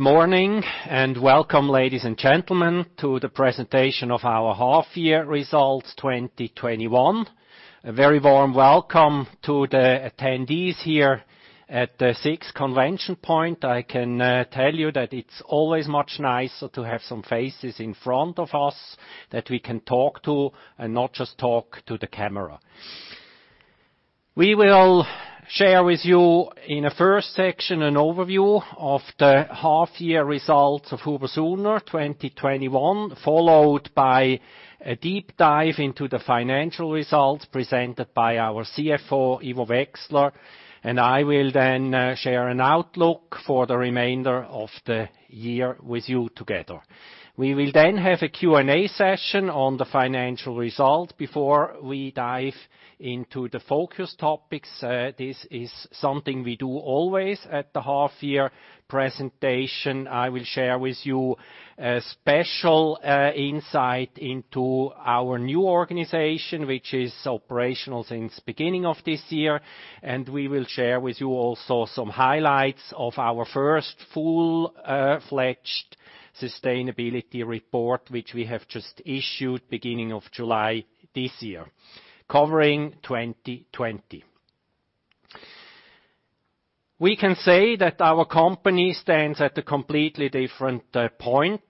Good morning, welcome, ladies and gentlemen, to the presentation of our half-year results 2021. A very warm welcome to the attendees here at the SIX ConventionPoint. I can tell you that it's always much nicer to have some faces in front of us that we can talk to and not just talk to the camera. We will share with you in a first section an overview of the half-year results of HUBER+SUHNER 2021, followed by a deep dive into the financial results presented by our CFO, Ivo Wechsler. I will share an outlook for the remainder of the year with you together. We will have a Q&A session on the financial results before we dive into the focus topics. This is something we do always at the half-year presentation. I will share with you a special insight into our new organization, which is operational since beginning of this year, and we will share with you also some highlights of our first full-fledged sustainability report, which we have just issued beginning of July this year, covering 2020. We can say that our company stands at a completely different point,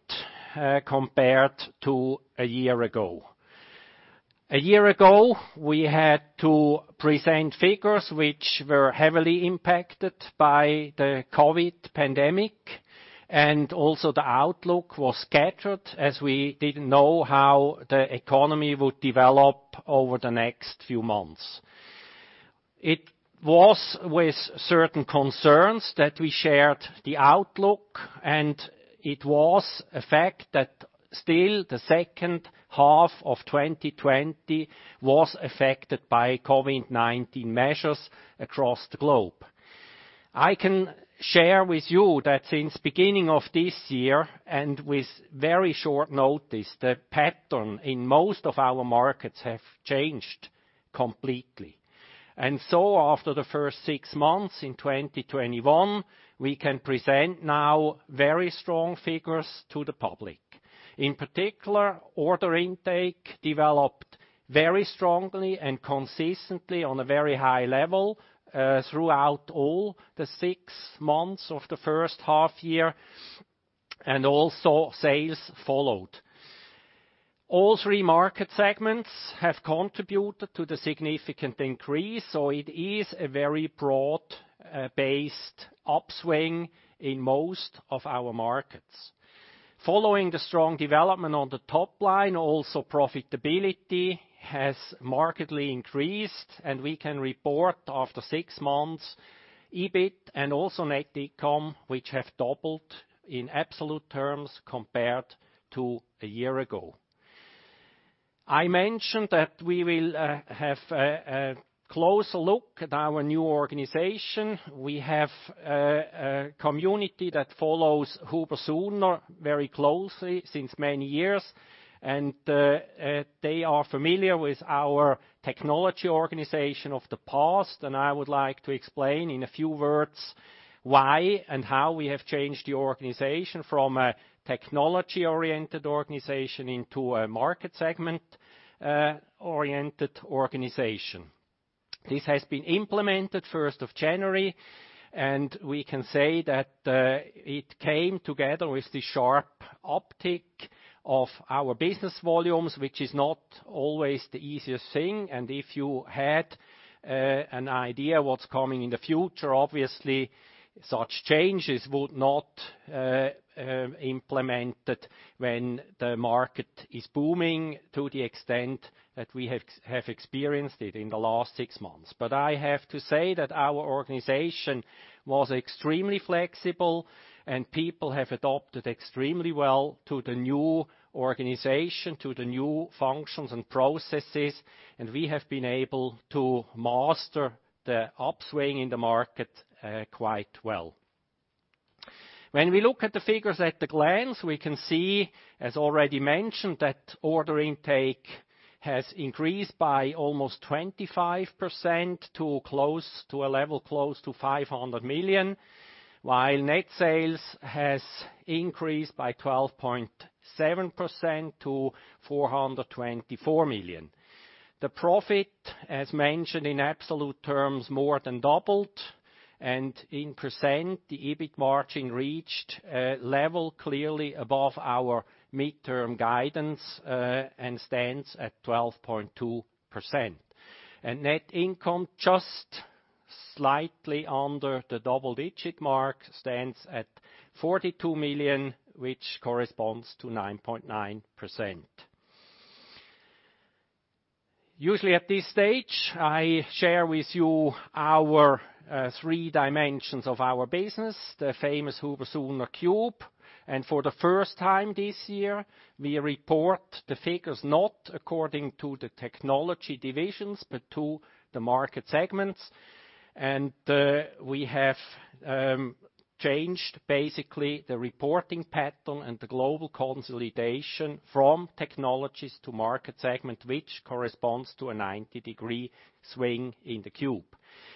compared to a year ago. A year ago, we had to present figures which were heavily impacted by the COVID-19 pandemic, and also the outlook was scattered as we didn't know how the economy would develop over the next few months. It was with certain concerns that we shared the outlook, and it was a fact that still the second half of 2020 was affected by COVID-19 measures across the globe. I can share with you that since beginning of this year, and with very short notice, the pattern in most of our markets have changed completely. After the first six months in 2021, we can present now very strong figures to the public. In particular, order intake developed very strongly and consistently on a very high level, throughout all the six months of the first half-year, and also sales followed. All three market segments have contributed to the significant increase, so it is a very broad-based upswing in most of our markets. Following the strong development on the top line, also profitability has markedly increased, and we can report after six months EBIT and also net income, which have doubled in absolute terms compared to a year ago. I mentioned that we will have a close look at our new organization. We have a community that follows HUBER+SUHNER very closely since many years, and they are familiar with our technology organization of the past. I would like to explain in a few words why and how we have changed the organization from a technology-oriented organization into a market segment-oriented organization. This has been implemented 1st of January, and we can say that it came together with the sharp uptick of our business volumes, which is not always the easiest thing. If you had an idea what's coming in the future, obviously, such changes would not implemented when the market is booming to the extent that we have experienced it in the last six months. I have to say that our organization was extremely flexible and people have adopted extremely well to the new organization, to the new functions and processes, and we have been able to master the upswing in the market quite well. When we look at the figures at a glance, we can see, as already mentioned, that order intake has increased by almost 25% to a level close to 500 million, while net sales has increased by 12.7% to 424 million. The profit, as mentioned, in absolute terms more than doubled, and in percent, the EBIT margin reached a level clearly above our midterm guidance, and stands at 12.2%. Net income, just slightly under the double-digit mark, stands at 42 million, which corresponds to 9.9%. Usually at this stage, I share with you our three dimensions of our business, the famous HUBER+SUHNER Cube. For the first time this year, we report the figures not according to the technology divisions but to the market segments. We changed basically the reporting pattern and the global consolidation from technologies to market segment, which corresponds to a 90-degree swing in the Cube.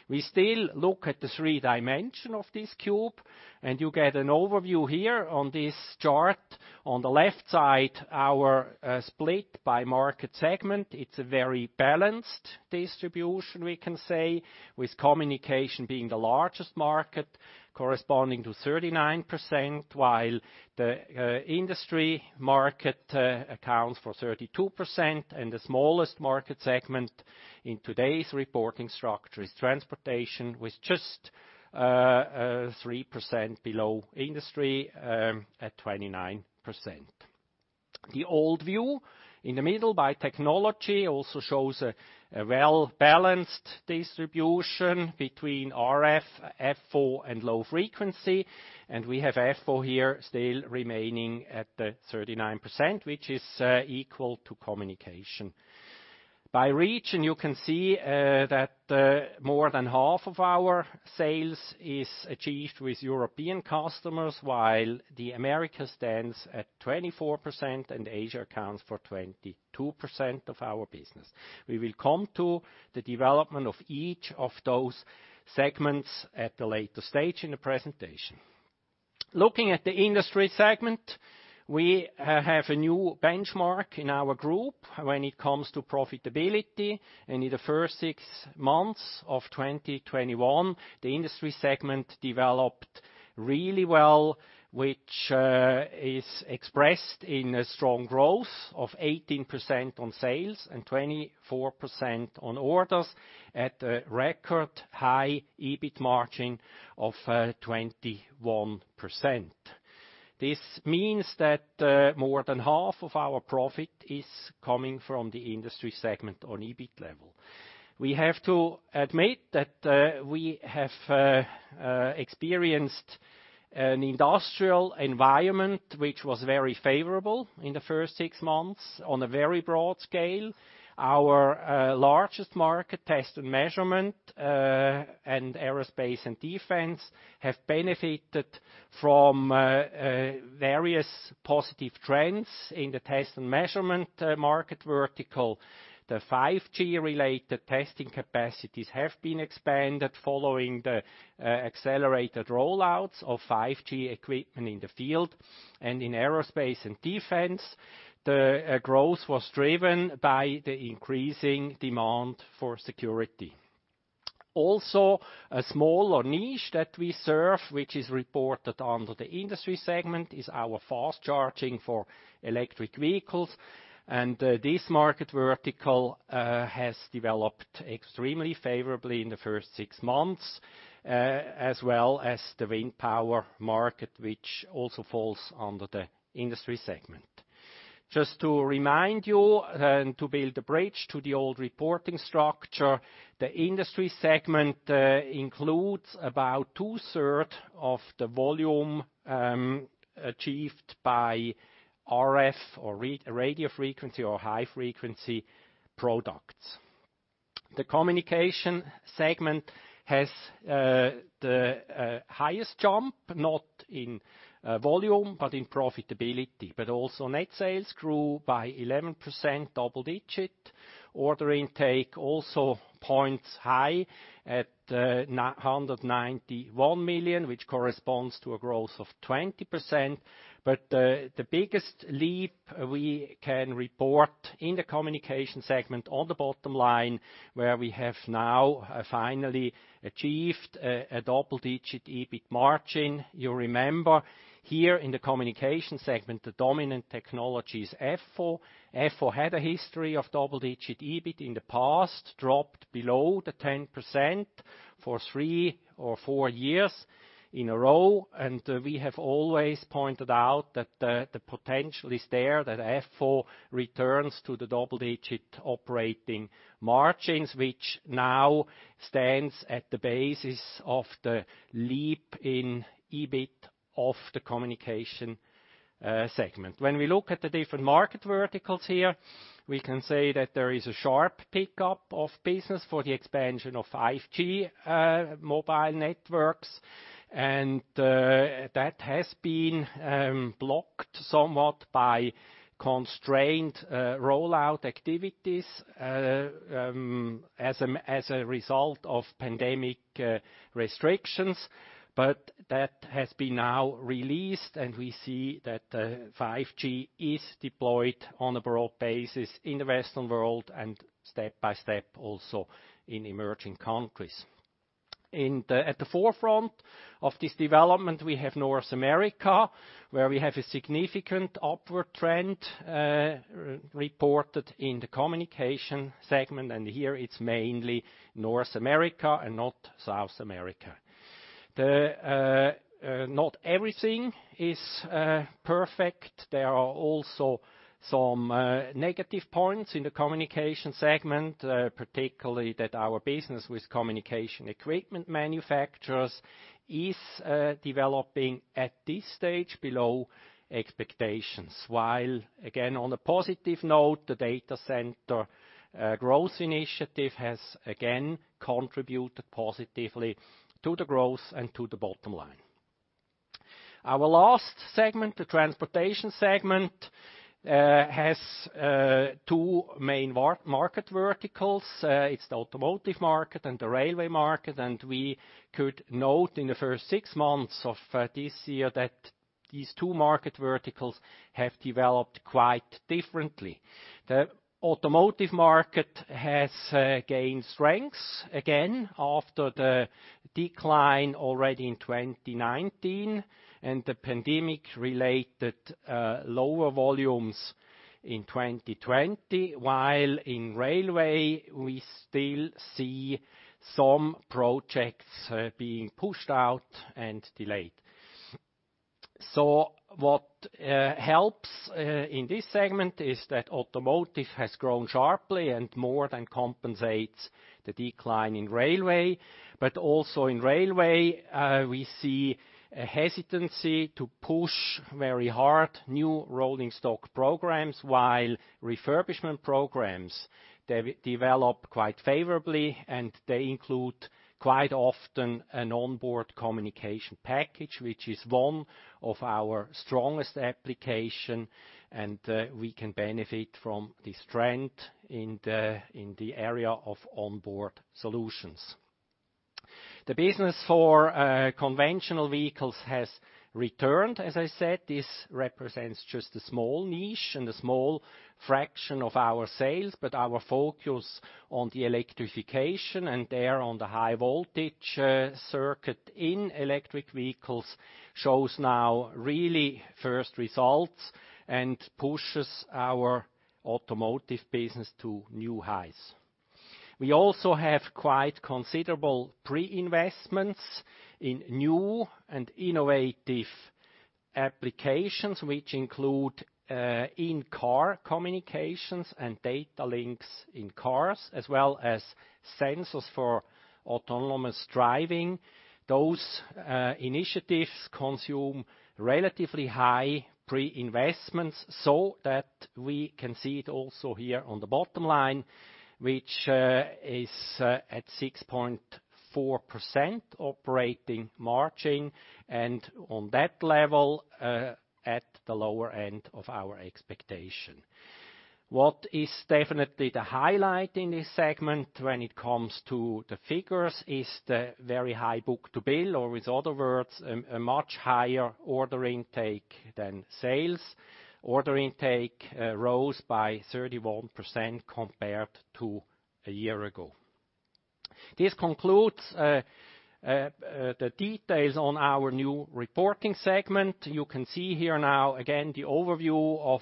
We still look at the three dimensions of this Cube, and you get an overview here on this chart. On the left side, our split by market segment. It's a very balanced distribution, we can say, with Communication being the largest market corresponding to 39%, while the Industry market accounts for 32%, and the smallest market segment in today's reporting structure is Transportation, with just 3% below Industry at 29%. The old view, in the middle by technology, also shows a well-balanced distribution between RF, FO, and low frequency. We have FO here still remaining at the 39%, which is equal to Communication. By region, you can see that more than half of our sales is achieved with European customers, while the Americas stands at 24%, and Asia accounts for 22% of our business. We will come to the development of each of those segments at a later stage in the presentation. Looking at the Industry segment, we have a new benchmark in our group when it comes to profitability. In the first six months of 2021, the Industry segment developed really well, which is expressed in a strong growth of 18% on sales and 24% on orders at the record high EBIT margin of 21%. This means that more than half of our profit is coming from the Industry segment on EBIT level. We have to admit that we have experienced an industrial environment which was very favorable in the first six months on a very broad scale. Our largest market, test and measurement, and aerospace and defense, have benefited from various positive trends in the test and measurement market vertical. The 5G-related testing capacities have been expanded following the accelerated roll-outs of 5G equipment in the field. In aerospace and defense, the growth was driven by the increasing demand for security. A smaller niche that we serve, which is reported under the Industry segment, is our fast charging for electric vehicles. This market vertical has developed extremely favorably in the first six months, as well as the wind power market, which also falls under the Industry segment. Just to remind you and to build a bridge to the old reporting structure, the Industry segment includes about 2/3 of the volume achieved by RF or Radio Frequency or high frequency products. The Communication segment has the highest jump, not in volume but in profitability. Also net sales grew by 11%, double digit. Order intake also points high at 191 million, which corresponds to a growth of 20%. The biggest leap we can report in the Communication segment on the bottom line, where we have now finally achieved a double-digit EBIT margin. You remember here in the Communication segment, the dominant technology is FO. FO had a history of double-digit EBIT in the past, dropped below the 10% for three or four years in a row. We have always pointed out that the potential is there, that FO returns to the double-digit operating margins, which now stands at the basis of the leap in EBIT of the Communication segment. When we look at the different market verticals here, we can say that there is a sharp pickup of business for the expansion of 5G mobile networks, that has been blocked somewhat by constrained rollout activities as a result of pandemic restrictions. That has been now released, we see that 5G is deployed on a broad basis in the Western world and step by step also in emerging countries. At the forefront of this development, we have North America, where we have a significant upward trend reported in the Communication segment, here it's mainly North America and not South America. Not everything is perfect. There are also some negative points in the Communication segment, particularly that our business with communication equipment manufacturers is developing at this stage below expectations. While again, on a positive note, the data center growth initiative has again contributed positively to the growth and to the bottom line. Our last segment, the Transportation segment, has two main market verticals. It's the automotive market and the railway market. We could note in the first six months of this year that these two market verticals have developed quite differently. The automotive market has gained strength again after the decline already in 2019 and the pandemic-related lower volumes in 2020, while in railway, we still see some projects being pushed out and delayed. What helps in this segment is that automotive has grown sharply and more than compensates the decline in railway. Also in railway, we see a hesitancy to push very hard new rolling stock programs, while refurbishment programs, they develop quite favorably, and they include quite often an onboard communication package, which is one of our strongest application, and we can benefit from this trend in the area of onboard solutions. The business for conventional vehicles has returned. As I said, this represents just a small niche and a small fraction of our sales, but our focus on the electrification and there on the high voltage circuit in electric vehicles shows now really first results and pushes our automotive business to new highs. We also have quite considerable pre-investments in new and innovative applications, which include in-car communications and data links in cars, as well as sensors for autonomous driving. Those initiatives consume relatively high pre-investments so that we can see it also here on the bottom line, which is at 6.4% operating margin, and on that level, at the lower end of our expectation. What is definitely the highlight in this segment when it comes to the figures is the very high book-to-bill, or in other words, a much higher order intake than sales. Order intake rose by 31% compared to a year ago. This concludes the details on our new reporting segment. You can see here now, again, the overview of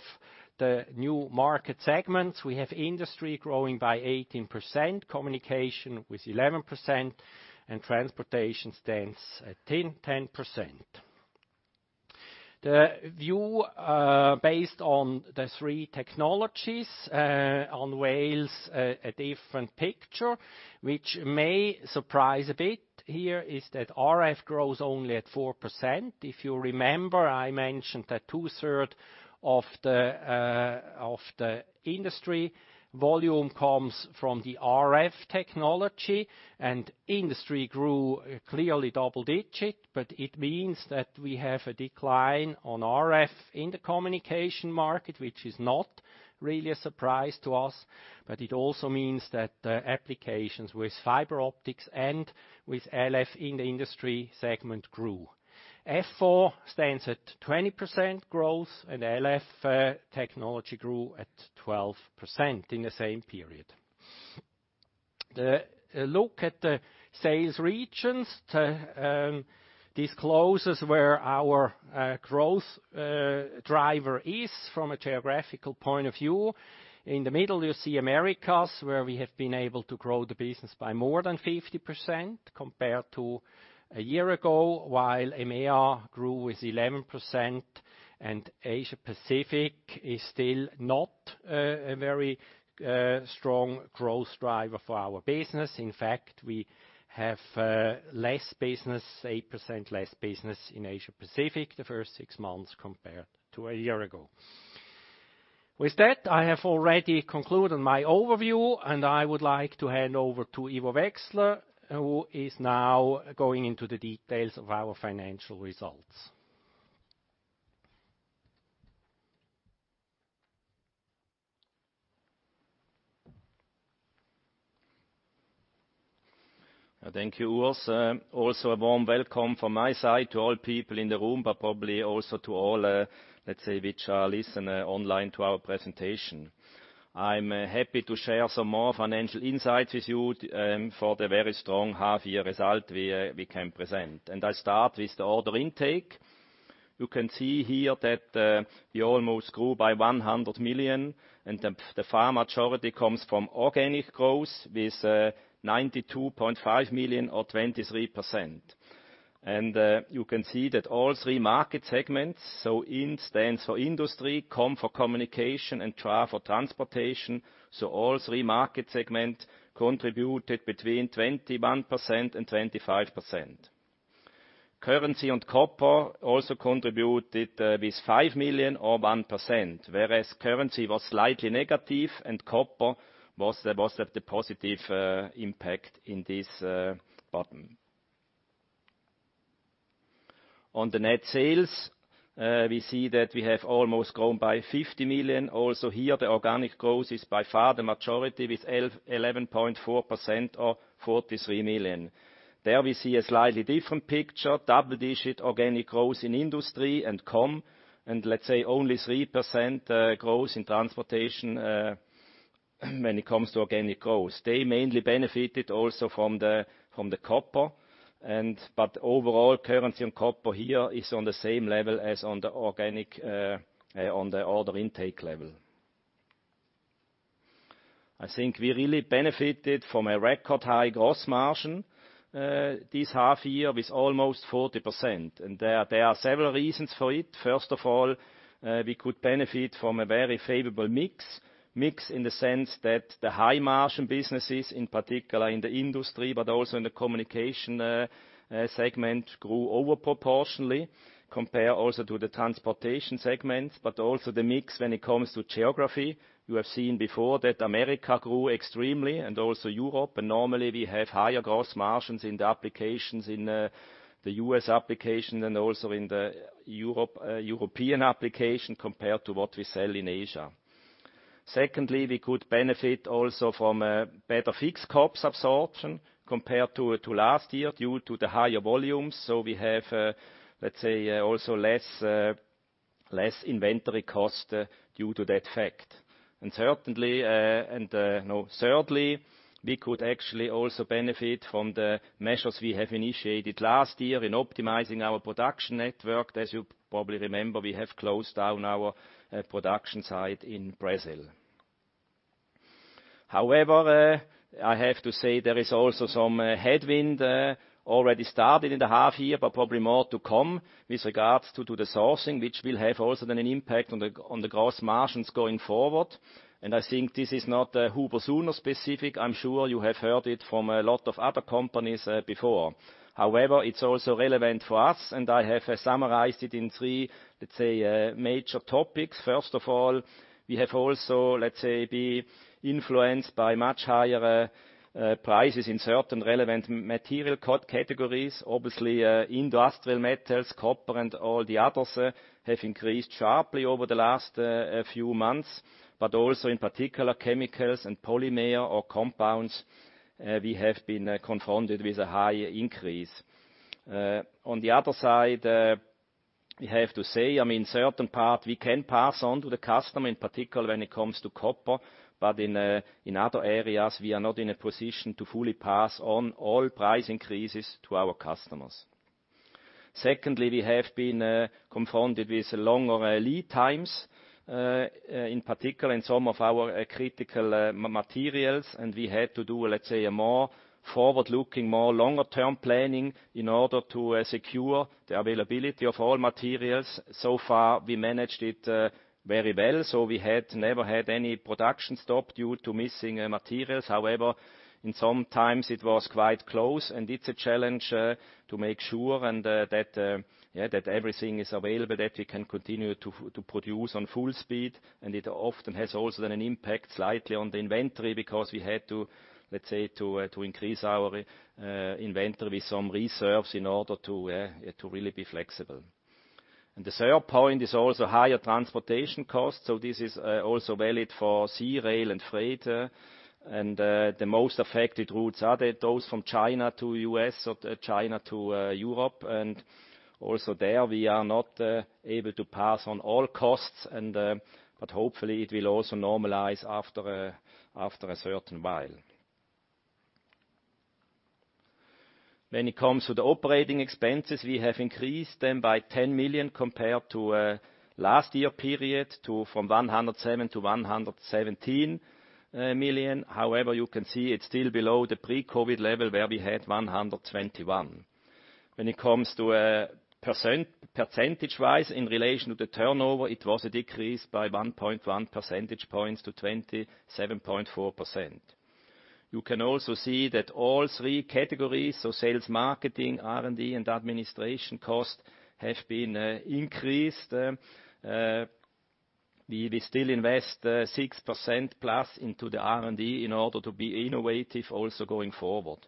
the new market segments. We have Industry growing by 18%, Communication with 11%, and Transportation stands at 10%. The view based on the three technologies unveils a different picture, which may surprise a bit here is that RF grows only at 4%. If you remember, I mentioned that 2/3 of the Industry volume comes from the RF technology, and Industry grew clearly double-digit, but it means that we have a decline on RF in the Communication market, which is not really a surprise to us, but it also means that the applications with fiber optics and with LF in the Industry segment grew. FO stands at 20% growth, and LF technology grew at 12% in the same period. The look at the sales regions discloses where our growth driver is from a geographical point of view. In the middle, you see America, where we have been able to grow the business by more than 50% compared to a year ago, while EMEA grew with 11%, and Asia-Pacific is still not a very strong growth driver for our business. In fact, we have less business, 8% less business, in Asia-Pacific the first six months compared to a year ago. With that, I have already concluded my overview, and I would like to hand over to Ivo Wechsler, who is now going into the details of our financial results. Thank you, Urs. A warm welcome from my side to all people in the room, but probably also to all, let's say, which listen online to our presentation. I am happy to share some more financial insights with you for the very strong half-year result we can present. I start with the order intake. You can see here that we almost grew by 100 million, and the far majority comes from organic growth with 92.5 million or 23%. You can see that all three market segments, so IND stands for Industry, COM for Communication, and TRA for Transportation, so all three market segments contributed between 21%-25%. Currency and copper also contributed with 5 million or 1%, whereas currency was slightly negative and copper was the positive impact in this bottom. On the net sales, we see that we have almost grown by 50 million. Here, the organic growth is by far the majority with 11.4% or 43 million. There we see a slightly different picture, double-digit organic growth in Industry and COM, and let's say only 3% growth in Transportation when it comes to organic growth. They mainly benefited also from the copper. Overall, currency and copper here is on the same level as on the order intake level. I think we really benefited from a record high gross margin this half year with almost 40%. There are several reasons for it. First of all, we could benefit from a very favorable mix. Mix in the sense that the high-margin businesses, in particular in the Industry, but also in the Communication segment, grew over proportionally compared also to the Transportation segment, but also the mix when it comes to geography. You have seen before that America grew extremely and also Europe. Normally we have higher gross margins in the applications, in the U.S. application and also in the European application compared to what we sell in Asia. Secondly, we could benefit also from a better fixed cost absorption compared to last year due to the higher volumes. We have, let's say, also less inventory cost due to that fact. Thirdly, we could actually also benefit from the measures we have initiated last year in optimizing our production network. As you probably remember, we have closed down our production site in Brazil. However, I have to say there is also some headwind already started in the half year, but probably more to come with regards to the sourcing, which will have also then an impact on the gross margins going forward. I think this is not HUBER+SUHNER specific. I'm sure you have heard it from a lot of other companies before. It's also relevant for us, and I have summarized it in three, let's say, major topics. First of all, we have also, let's say, been influenced by much higher prices in certain relevant material categories. Obviously, industrial metals, copper, and all the others have increased sharply over the last few months, but also in particular, chemicals and polymer or compounds, we have been confronted with a high increase. On the other side, we have to say, certain parts we can pass on to the customer, in particular when it comes to copper, but in other areas, we are not in a position to fully pass on all price increases to our customers. Secondly, we have been confronted with longer lead times, in particular in some of our critical materials. We had to do, let's say, a more forward-looking, more longer-term planning in order to secure the availability of all materials. So far, we managed it very well. We had never had any production stop due to missing materials. However, in some times it was quite close, and it's a challenge to make sure that everything is available, that we can continue to produce on full speed. It often has also then an impact slightly on the inventory because we had to, let's say, to increase our inventory with some reserves in order to really be flexible. The third point is also higher transportation costs. This is also valid for sea, rail, and freight. The most affected routes are those from China to U.S. or China to Europe. Also there, we are not able to pass on all costs, but hopefully it will also normalize after a certain while. When it comes to the operating expenses, we have increased them by 10 million compared to last year period from 107 million-117 million. However, you can see it's still below the pre-COVID-19 level where we had 121 million. When it comes to percentage-wise in relation to the turnover, it was a decrease by 1.1 percentage points to 27.4%. You can also see that all three categories, so sales, marketing, R&D, and administration costs have been increased. We still invest 6%+ into the R&D in order to be innovative also going forward.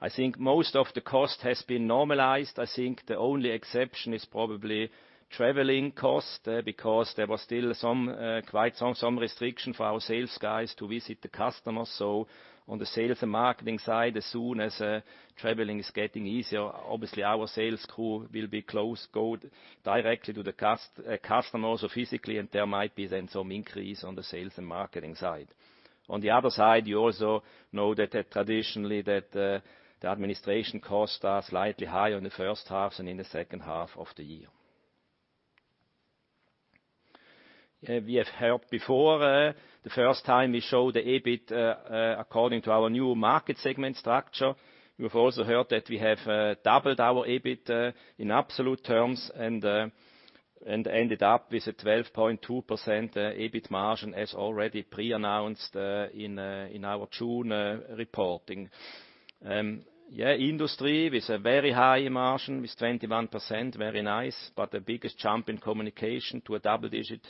I think most of the cost has been normalized. I think the only exception is probably traveling cost because there was still quite some restriction for our sales guys to visit the customers. On the sales and marketing side, as soon as traveling is getting easier, obviously our sales crew will be close, go directly to the customer, so physically, and there might be then some increase on the sales and marketing side. On the other side, you also know that traditionally that the administration costs are slightly higher in the first half than in the second half of the year. We have heard before, the first time we show the EBIT according to our new market segment structure. We've also heard that we have doubled our EBIT in absolute terms and ended up with a 12.2% EBIT margin as already pre-announced in our June reporting. Industry with a very high margin with 21%, very nice, but the biggest jump in Communication to a double-digit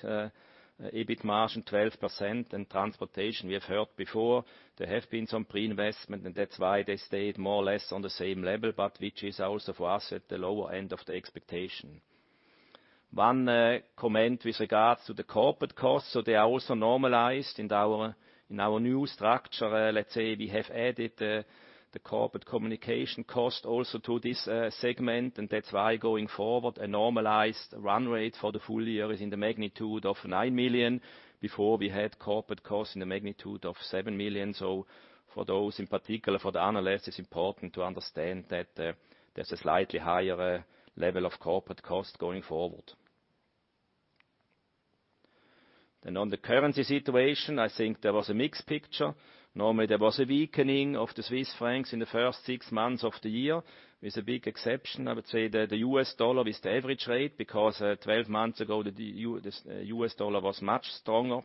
EBIT margin 12%. Transportation, we have heard before, there have been some pre-investment, and that's why they stayed more or less on the same level, but which is also for us at the lower end of the expectation. One comment with regards to the corporate costs. They are also normalized in our new structure. Let's say we have added the corporate communication cost also to this segment, and that's why, going forward, a normalized run rate for the full year is in the magnitude of 9 million. Before, we had corporate costs in the magnitude of 7 million. For those, in particular for the analysts, it's important to understand that there's a slightly higher level of corporate cost going forward. On the currency situation, I think there was a mixed picture. Normally, there was a weakening of the Swiss francs in the first six months of the year, with a big exception, I would say, the U.S. dollar with the average rate, because 12 months ago, the U.S. dollar was much stronger.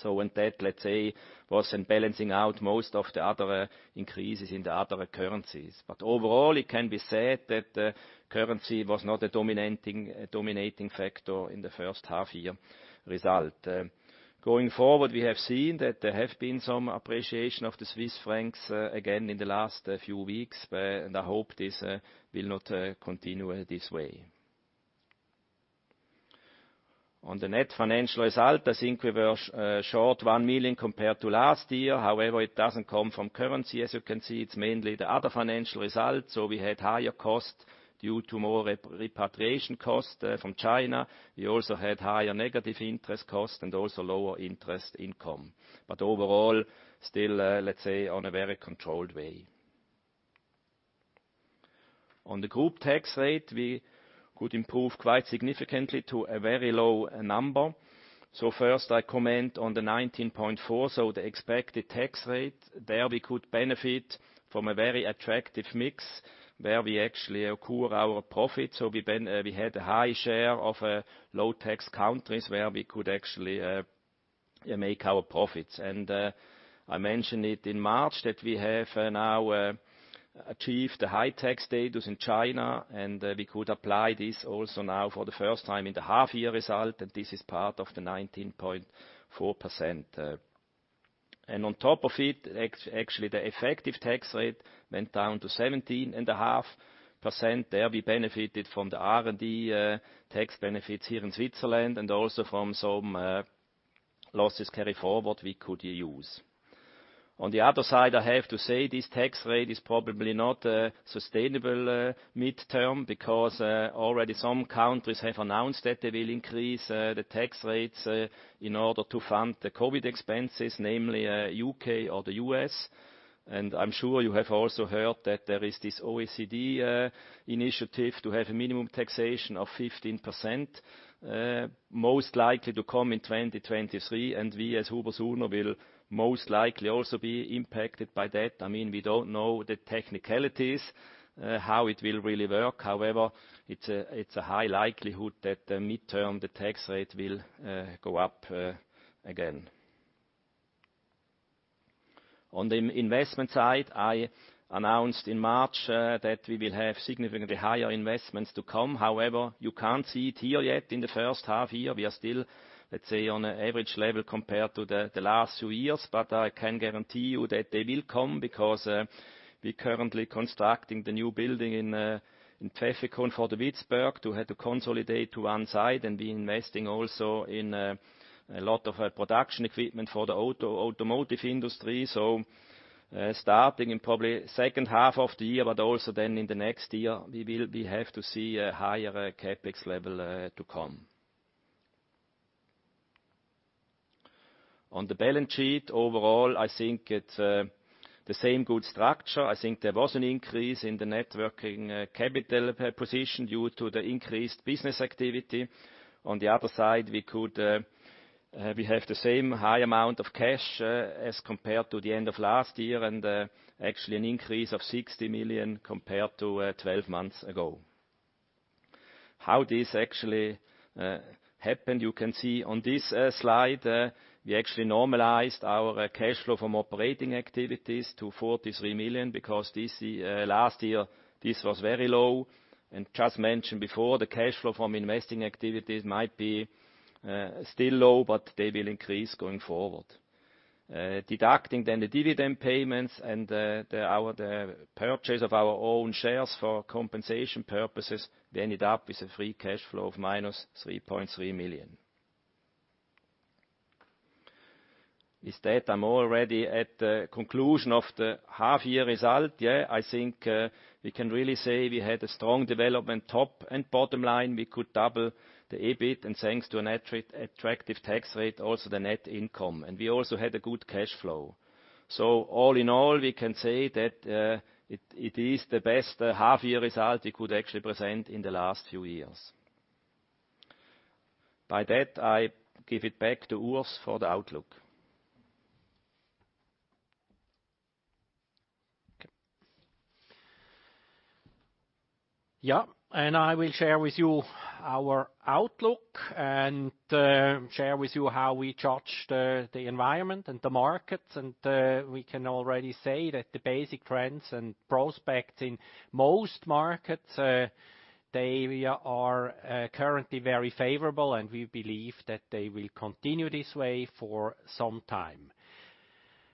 When that, let's say, was in balancing out most of the other increases in the other currencies. Overall, it can be said that currency was not a dominating factor in the first half year result. Going forward, we have seen that there have been some appreciation of the Swiss francs again in the last few weeks, and I hope this will not continue this way. On the net financial result, I think we were short 1 million compared to last year. However, it doesn't come from currency, as you can see. It's mainly the other financial result. We had higher costs due to more repatriation costs from China. We also had higher negative interest costs and also lower interest income. Overall, still, on a very controlled way. On the group tax rate, we could improve quite significantly to a very low number. First, I comment on the 19.4%, the expected tax rate. There we could benefit from a very attractive mix, where we actually accrue our profits. We had a high share of low tax countries where we could actually make our profits. I mentioned it in March that we have now achieved the high tax status in China, and we could apply this also now for the first time in the half year result, and this is part of the 19.4%. On top of it, actually, the effective tax rate went down to 17.5%. There we benefited from the R&D tax benefits here in Switzerland and also from some losses carry forward we could use. On the other side, I have to say this tax rate is probably not sustainable midterm, because already some countries have announced that they will increase the tax rates in order to fund the COVID expenses, namely U.K. or the U.S. I'm sure you have also heard that there is this OECD initiative to have a minimum taxation of 15%, most likely to come in 2023. We, as HUBER+SUHNER, will most likely also be impacted by that. We don't know the technicalities, how it will really work. However, it's a high likelihood that midterm, the tax rate will go up again. On the investment side, I announced in March that we will have significantly higher investments to come. You can't see it here yet in the first half-year. We are still, let's say, on an average level compared to the last few years. I can guarantee you that they will come because we're currently constructing the new building in Pfäffikon for the Witzberg to have to consolidate to one side. We're investing also in a lot of production equipment for the automotive industry. Starting in probably second half of the year, but also then in the next year, we have to see a higher CapEx level to come. On the balance sheet, overall, I think it's the same good structure. I think there was an increase in the networking capital position due to the increased business activity. On the other side, we have the same high amount of cash as compared to the end of last year, actually an increase of 60 million compared to 12 months ago. How this actually happened, you can see on this slide. We actually normalized our cash flow from operating activities to 43 million because last year, this was very low. Just mentioned before, the cash flow from investing activities might be still low, but they will increase going forward. Deducting the dividend payments and the purchase of our own shares for compensation purposes, we ended up with a free cash flow of -3.3 million. With that, I'm already at the conclusion of the half year result. Yeah, I think we can really say we had a strong development top and bottom line. We could double the EBIT, thanks to an attractive tax rate, also the net income. We also had a good cash flow. All in all, we can say that it is the best half year result we could actually present in the last few years. By that, I give it back to Urs for the outlook. Yeah. I will share with you our outlook, and share with you how we judge the environment and the markets. We can already say that the basic trends and prospects in most markets, they are currently very favorable, and we believe that they will continue this way for some time.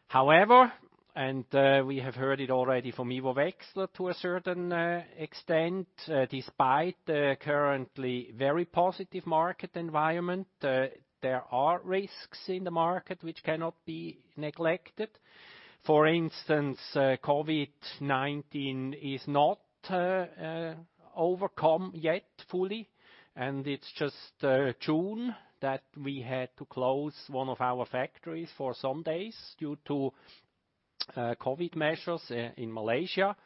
However, and we have heard it already from Ivo Wechsler to a certain extent, despite the currently very positive market environment, there are risks in the market which cannot be neglected. For instance, COVID-19 is not overcome yet fully, and it's just June that we had to close one of our factories for some days due to COVID measures in Malaysia.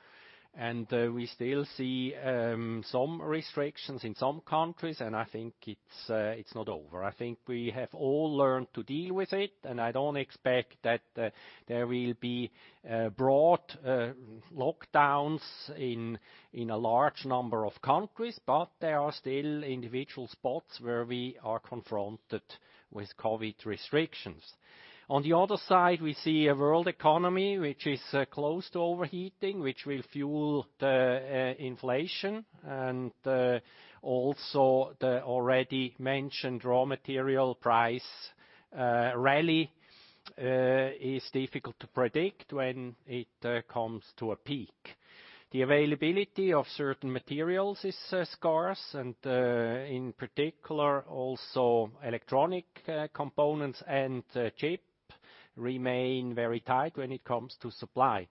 We still see some restrictions in some countries, and I think it's not over. I think we have all learned to deal with it, and I don't expect that there will be broad lockdowns in a large number of countries. There are still individual spots where we are confronted with COVID restrictions. On the other side, we see a world economy which is close to overheating, which will fuel the inflation. Also, the already mentioned raw material price rally is difficult to predict when it comes to a peak. The availability of certain materials is scarce, and in particular, also electronic components and chip remain very tight when it comes to supply.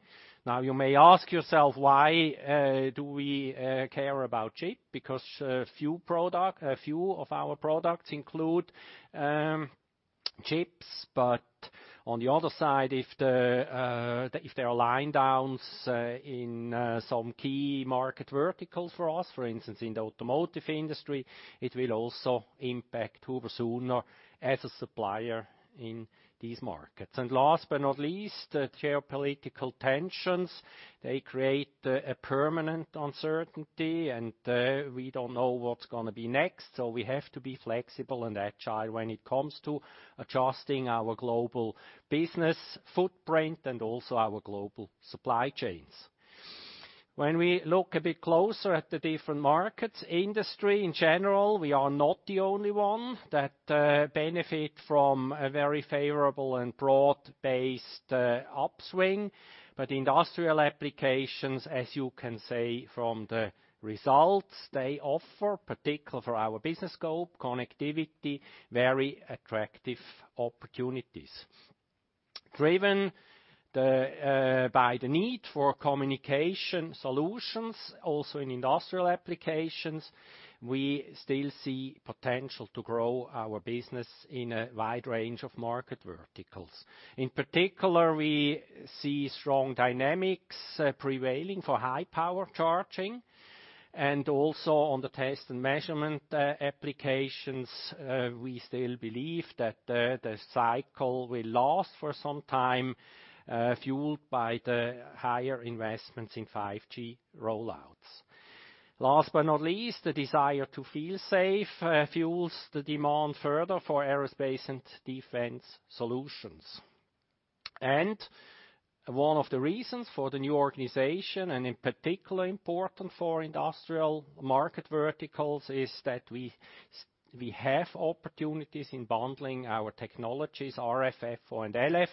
Now, you may ask yourself, why do we care about chip? Because a few of our products include chips, but on the other side, if there are line downs in some key market verticals for us, for instance, in the automotive industry, it will also impact HUBER+SUHNER as a supplier in these markets. Last but not least, geopolitical tensions, they create a permanent uncertainty, and we don't know what's going to be next. We have to be flexible and agile when it comes to adjusting our global business footprint and also our global supply chains. When we look a bit closer at the different markets, Industry in general, we are not the only one that benefit from a very favorable and broad-based upswing. Industrial applications, as you can say, from the results they offer, particularly for our business scope, connectivity, very attractive opportunities. Driven by the need for communication solutions, also in industrial applications, we still see potential to grow our business in a wide range of market verticals. In particular, we see strong dynamics prevailing for high-power charging and also on the test and measurement applications, we still believe that the cycle will last for some time, fueled by the higher investments in 5G rollouts. Last but not least, the desire to feel safe fuels the demand further for aerospace and defense solutions. One of the reasons for the new organization, and in particular important for industrial market verticals, is that we have opportunities in bundling our technologies, RF, FO and LF,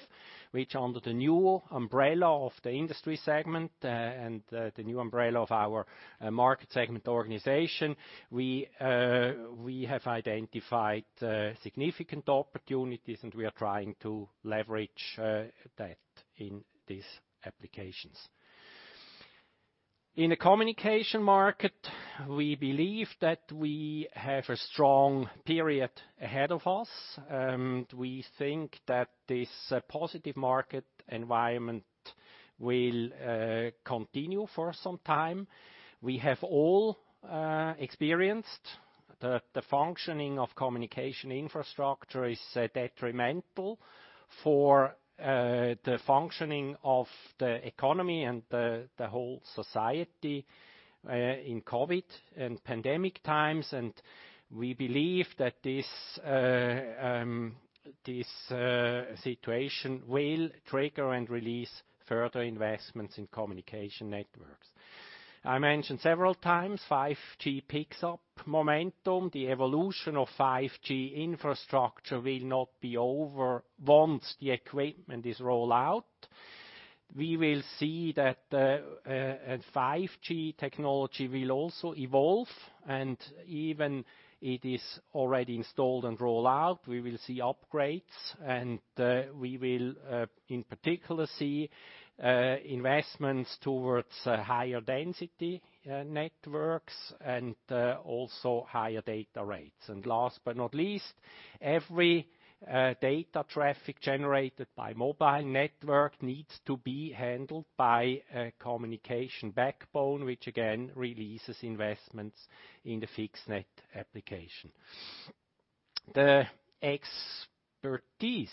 which under the new umbrella of the Industry segment and the new umbrella of our market segment organization, we have identified significant opportunities, and we are trying to leverage that in these applications. In a Communication market, we believe that we have a strong period ahead of us. We think that this positive market environment will continue for some time. We have all experienced the functioning of communication infrastructure is detrimental for the functioning of the economy and the whole society in COVID and pandemic times. We believe that this situation will trigger and release further investments in communication networks. I mentioned several times 5G picks up momentum. The evolution of 5G infrastructure will not be over once the equipment is roll out. We will see that 5G technology will also evolve and even it is already installed and roll out. We will see upgrades and we will in particular see investments towards higher density networks and also higher data rates. Last but not least, every data traffic generated by mobile network needs to be handled by a communication backbone, which again, releases investments in the fixed net application. The expertise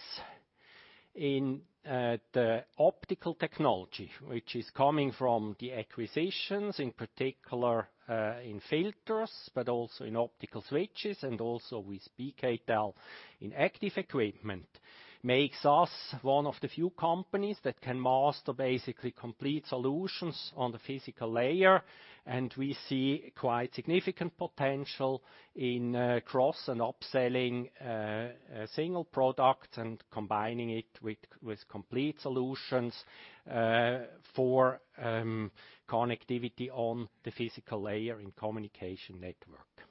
in the optical technology, which is coming from the acquisitions, in particular in filters, but also in optical switches and also with BKtel in active equipment, makes us one of the few companies that can master basically complete solutions on the physical layer. We see quite significant potential in cross and upselling single products and combining it with complete solutions for connectivity on the physical layer in communication network.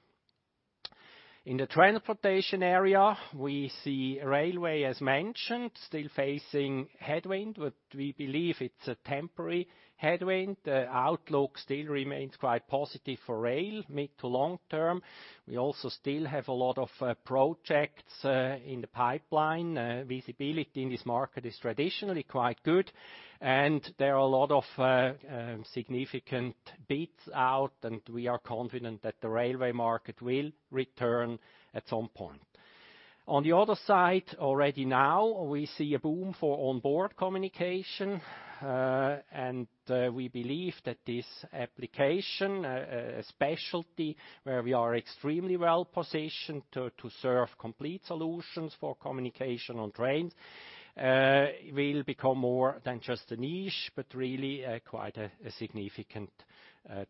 In the transportation area, we see railway, as mentioned, still facing headwind, but we believe it's a temporary headwind. The outlook still remains quite positive for rail mid to long term. We also still have a lot of projects in the pipeline. Visibility in this market is traditionally quite good. There are a lot of significant bids out, and we are confident that the railway market will return at some point. On the other side, already now, we see a boom for onboard communication. We believe that this application, a specialty where we are extremely well-positioned to serve complete solutions for communication on trains, will become more than just a niche, but really quite a significant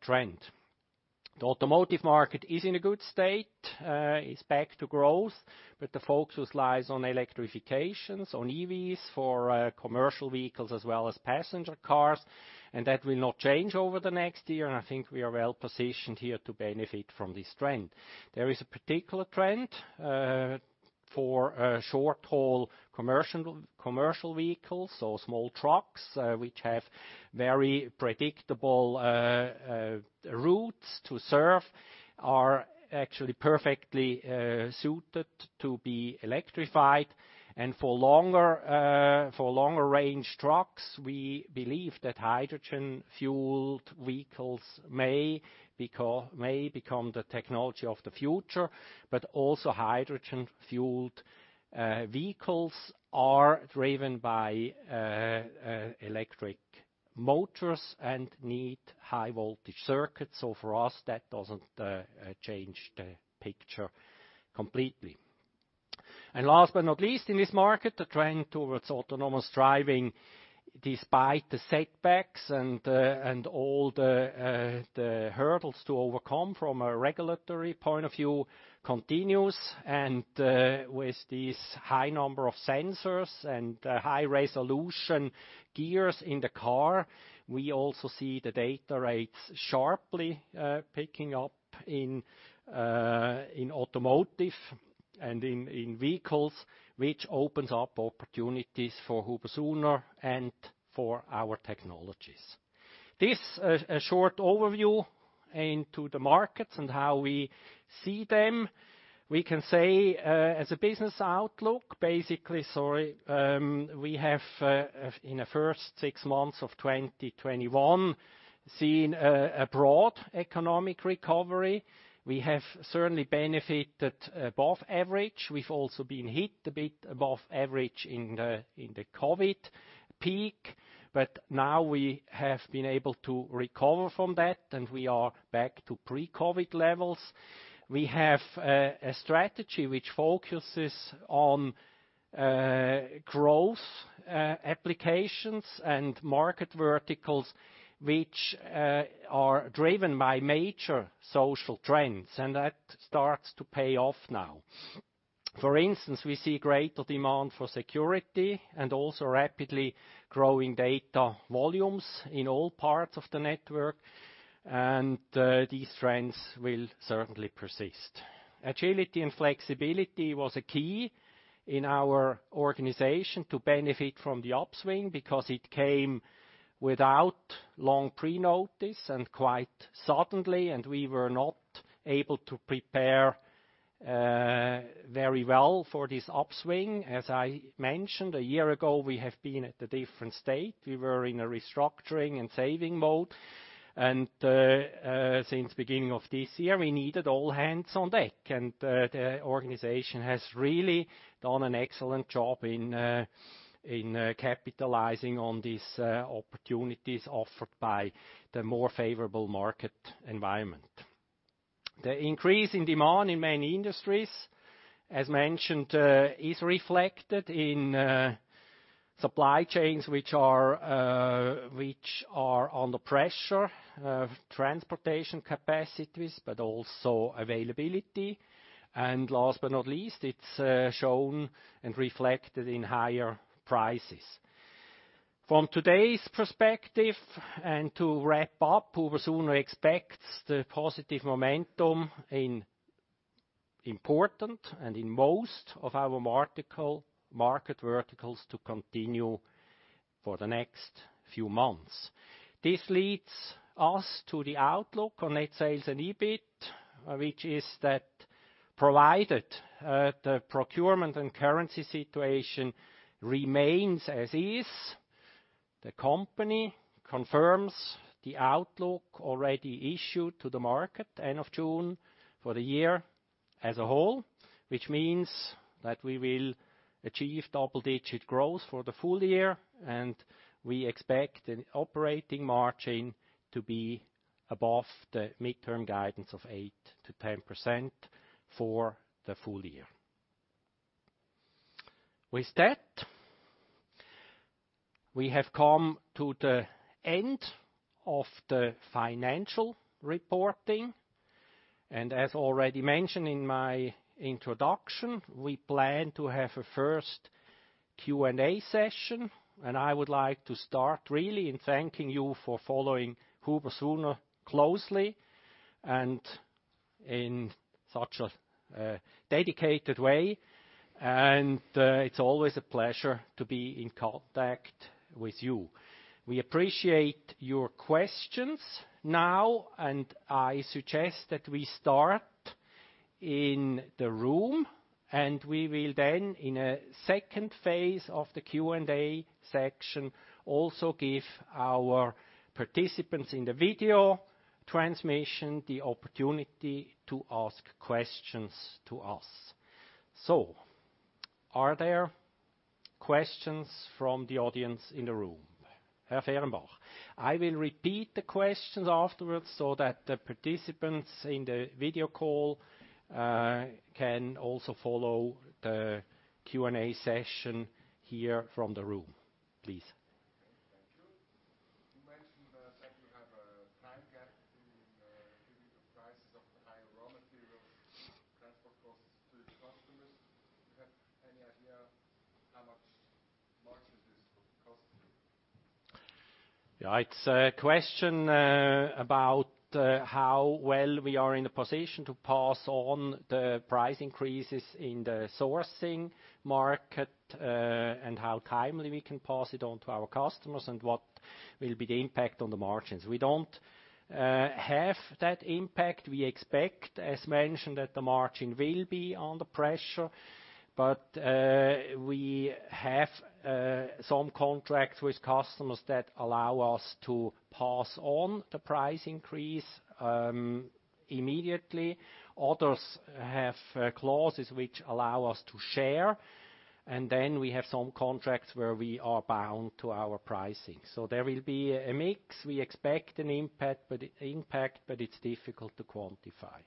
trend. The automotive market is in a good state. It's back to growth. The focus lies on electrifications, on EVs for commercial vehicles as well as passenger cars. That will not change over the next year, and I think we are well-positioned here to benefit from this trend. There is a particular trend for short-haul commercial vehicles, so small trucks which have very predictable routes to serve are actually perfectly suited to be electrified. For longer range trucks, we believe that hydrogen-fueled vehicles may become the technology of the future, but also hydrogen-fueled vehicles are driven by electric motors and need high-voltage circuits. For us, that doesn't change the picture completely. Last but not least, in this market, the trend towards autonomous driving, despite the setbacks and all the hurdles to overcome from a regulatory point of view, continues. With this high number of sensors and high-resolution gears in the car, we also see the data rates sharply picking up in automotive and in vehicles, which opens up opportunities for HUBER+SUHNER and for our technologies. This, a short overview into the markets and how we see them. We can say, as a business outlook. We have, in the first six months of 2021, seen a broad economic recovery. We have certainly benefited above average. We've also been hit a bit above average in the COVID-19 peak. Now we have been able to recover from that, and we are back to pre-COVID-19 levels. We have a strategy which focuses on growth applications and market verticals which are driven by major social trends, and that starts to pay off now. For instance, we see greater demand for security and also rapidly growing data volumes in all parts of the network, and these trends will certainly persist. Agility and flexibility was a key in our organization to benefit from the upswing because it came without long pre-notice and quite suddenly, and we were not able to prepare very well for this upswing. As I mentioned, a year ago, we have been at a different state. We were in a restructuring and saving mode. Since the beginning of this year, we needed all hands on deck, and the organization has really done an excellent job in capitalizing on these opportunities offered by the more favorable market environment. The increase in demand in many industries, as mentioned, is reflected in supply chains which are under pressure, transportation capacities, but also availability. Last but not least, it's shown and reflected in higher prices. From today's perspective, and to wrap up, HUBER+SUHNER expects the positive momentum in important and in most of our market verticals to continue for the next few months. This leads us to the outlook on net sales and EBIT, which is that provided the procurement and currency situation remains as is, the company confirms the outlook already issued to the market end of June for the year as a whole, which means that we will achieve double-digit growth for the full year, and we expect an operating margin to be above the midterm guidance of 8%-10% for the full year. With that, we have come to the end of the financial reporting. As already mentioned in my introduction, we plan to have a first Q&A session, and I would like to start really in thanking you for following HUBER+SUHNER closely and in such a dedicated way, and it's always a pleasure to be in contact with you. We appreciate your questions now, I suggest that we start in the room, we will then, in a second phase of the Q&A section, also give our participants in the video transmission the opportunity to ask questions to us. Are there questions from the audience in the room? Herr Fehrenbach? I will repeat the questions afterwards so that the participants in the video call can also follow the Q&A session here from the room. Please. Thank you. You mentioned that you have a time gap between giving the prices of the higher raw materials transport costs to the customers. Do you have any idea how much margin this would cost you? It's a question about how well we are in a position to pass on the price increases in the sourcing market, and how timely we can pass it on to our customers, and what will be the impact on the margins. We don't have that impact. We expect, as mentioned, that the margin will be under pressure, but we have some contracts with customers that allow us to pass on the price increase immediately. Others have clauses which allow us to share, and then we have some contracts where we are bound to our pricing. There will be a mix. We expect an impact, but it's difficult to quantify.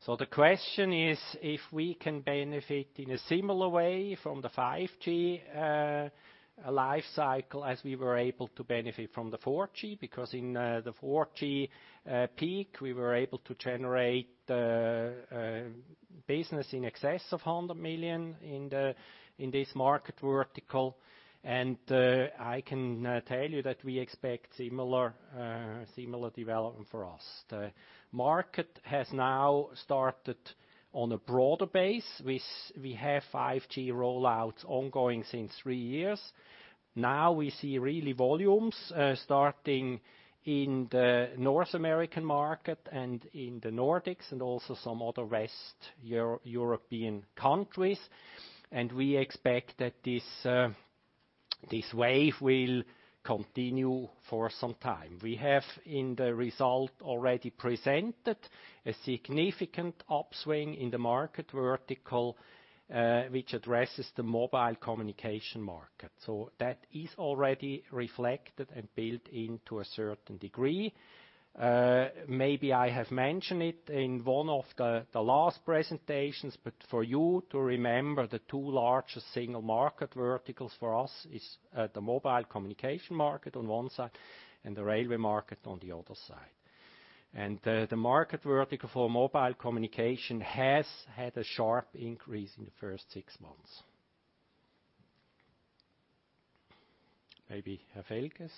Michael Meier. Some years ago, when the rollout of 4G started, you have some big orders from around the world in three-digit millions. Now it starts with 5G. Is this possible that you have also this kind of orders now or is this time different? Are you delivering other components or maybe? The question is if we can benefit in a similar way from the 5G life cycle as we were able to benefit from the 4G, because in the 4G peak, we were able to generate business in excess of 100 million in this market vertical. I can tell you that we expect similar development for us. The market has now started on a broader base. We have 5G rollouts ongoing since three years. We see really volumes starting in the North American market and in the Nordics and also some other West European countries, and we expect that this wave will continue for some time. We have in the result already presented a significant upswing in the market vertical, which addresses the mobile communication market. That is already reflected and built into a certain degree. Maybe I have mentioned it in one of the last presentations, but for you to remember, the two largest single market verticals for us is the mobile communication market on one side and the railway market on the other side. The market vertical for mobile communication has had a sharp increase in the first six months. Maybe Sergej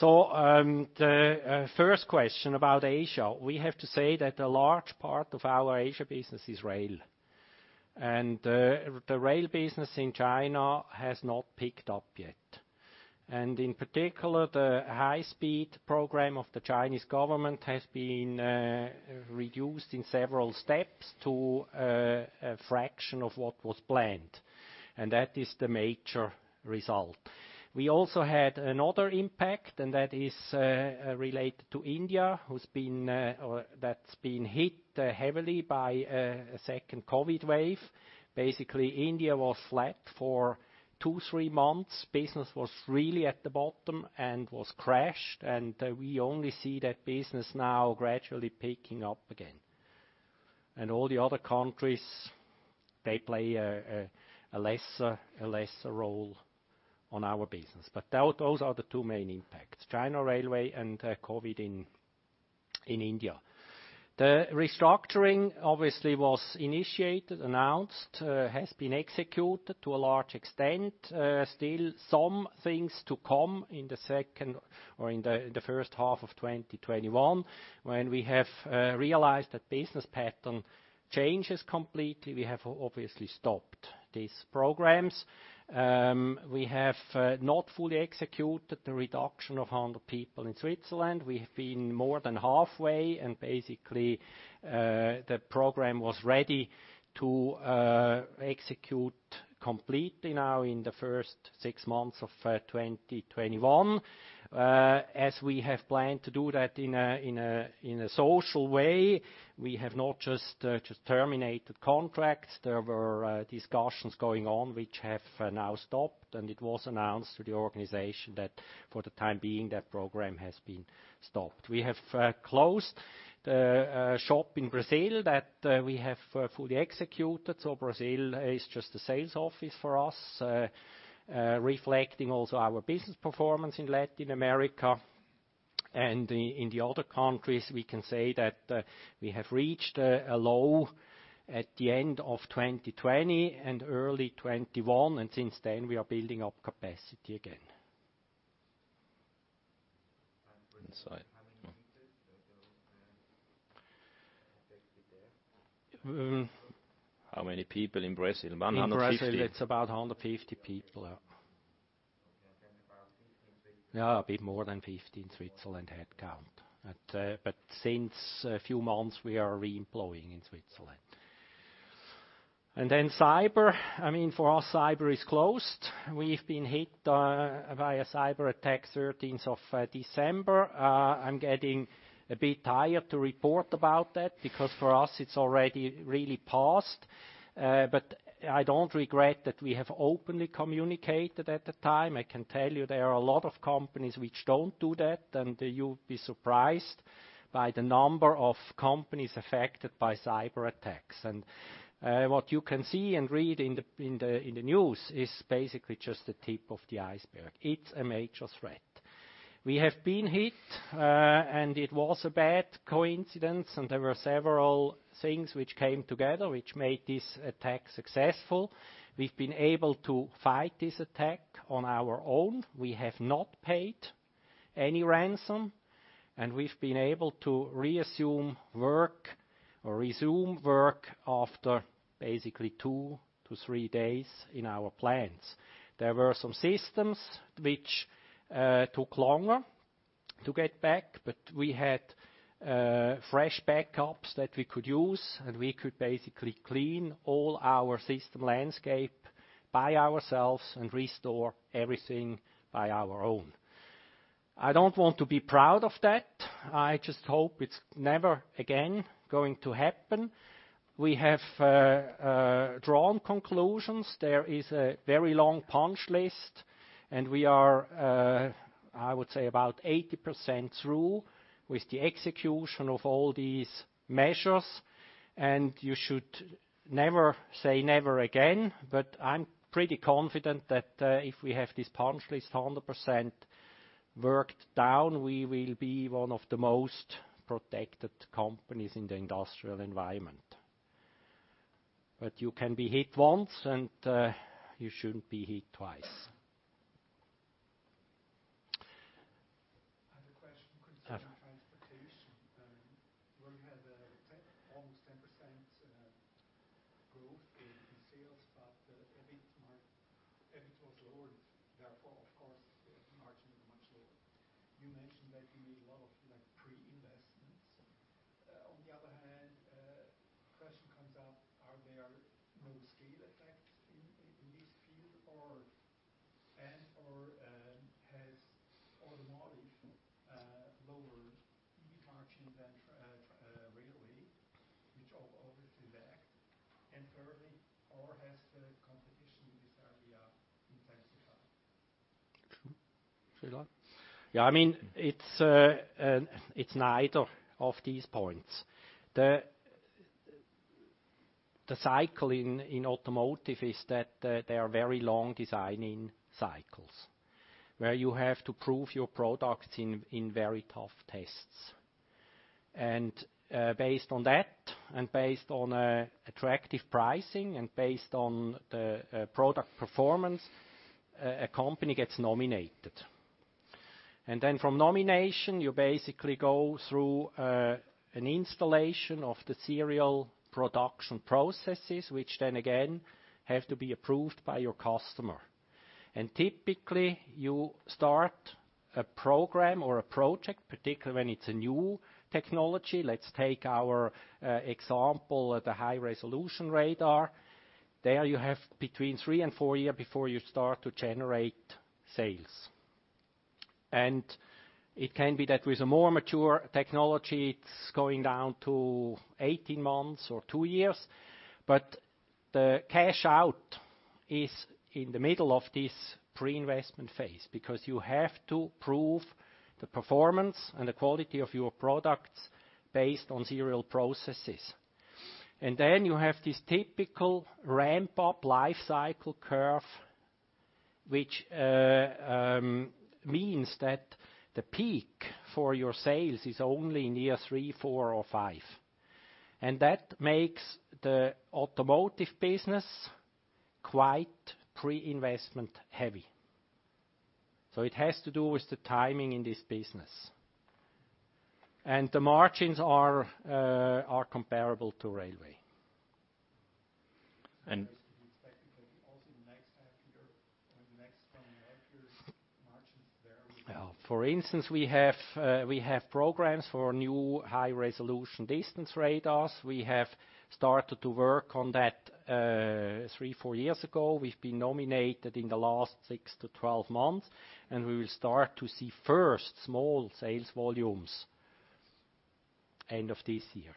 The first question about Asia, we have to say that a large part of our Asia business is rail. The rail business in China has not picked up yet. In particular, the high-speed program of the Chinese government has been reduced in several steps to a fraction of what was planned, and that is the major result. We also had another impact, and that is related to India, that's been hit heavily by a second COVID wave. Basically, India was flat for two, three months. Business was really at the bottom and was crashed. We only see that business now gradually picking up again. All the other countries, they play a lesser role on our business. Those are the two main impacts, China railway and COVID-19 in India. The restructuring obviously was initiated, announced, has been executed to a large extent. Still some things to come in the first half of 2021. When we have realized that business pattern changes completely, we have obviously stopped these programs. We have not fully executed the reduction of 100 people in Switzerland. We have been more than halfway. Basically, the program was ready to execute completely now in the first six months of 2021. As we have planned to do that in a social way, we have not just terminated contracts. There were discussions going on which have now stopped, and it was announced to the organization that for the time being, that program has been stopped. We have closed the shop in Brazil that we have fully executed, so Brazil is just a sales office for us, reflecting also our business performance in Latin America. In the other countries, we can say that we have reached a low at the end of 2020 and early 2021, and since then, we are building up capacity again. How many people in Brazil? 150. In Brazil, it's about 150 people, yeah. Yeah, a bit more than 50 in Switzerland headcount. Since a few months, we are re-employing in Switzerland. Cyber. I mean, for us, cyber is closed. We've been hit by a cyber attack 13th of December. I'm getting a bit tired to report about that, because for us, it's already really passed. I don't regret that we have openly communicated at the time. I can tell you there are a lot of companies which don't do that, and you'll be surprised by the number of companies affected by cyber attacks. What you can see and read in the news is basically just the tip of the iceberg. It's a major threat. We have been hit, and it was a bad coincidence, and there were several things which came together, which made this attack successful. We've been able to fight this attack on our own. We have not paid any ransom, and we've been able to reassume work or resume work after basically two to three days in our plants. There were some systems which took longer to get back, but we had fresh backups that we could use, and we could basically clean all our system landscape by ourselves and restore everything by our own. I don't want to be proud of that. I just hope it's never again going to happen. We have drawn conclusions. There is a very long punch list, and we are, I would say about 80% through with the execution of all these measures. You should never say never again, but I'm pretty confident that if we have this punch list 100% worked down, we will be one of the most protected companies in the industrial environment. You can be hit once, and you shouldn't be hit twice. I have a question concerning Transportation, where you had almost 10% growth in sales, but EBIT was lowered, therefore, of course, the margin is much lower. You mentioned that you made a lot of pre-investments. On the other hand, a question comes up, are there no scale effects in this field? And/or has automotive lower EBIT margin than railway, which obviously lagged? Thirdly, has the competition in this area intensified? Sure. Shall I? Yeah, it's neither of these points. The cycle in automotive is that there are very long designing cycles, where you have to prove your products in very tough tests. Based on that, and based on attractive pricing, and based on the product performance, a company gets nominated. From nomination, you basically go through an installation of the serial production processes, which then again have to be approved by your customer. Typically, you start a program or a project, particularly when it's a new technology. Let's take our example at the high resolution radar. There you have between three and four year before you start to generate sales. It can be that with a more mature technology, it's going down to 18 months or two years. The cash out is in the middle of this pre-investment phase, because you have to prove the performance and the quality of your products based on serial processes. Then you have this typical ramp-up life cycle curve, which means that the peak for your sales is only in year three, four, or five. That makes the automotive business quite pre-investment heavy. It has to do with the timing in this business. The margins are comparable to railway. That is to be expected that also next half year or next full year, margins there. For instance, we have programs for new high-resolution distance radars. We have started to work on that three, four years ago. We've been nominated in the last 6-12 months, and we will start to see first small sales volumes end of this year.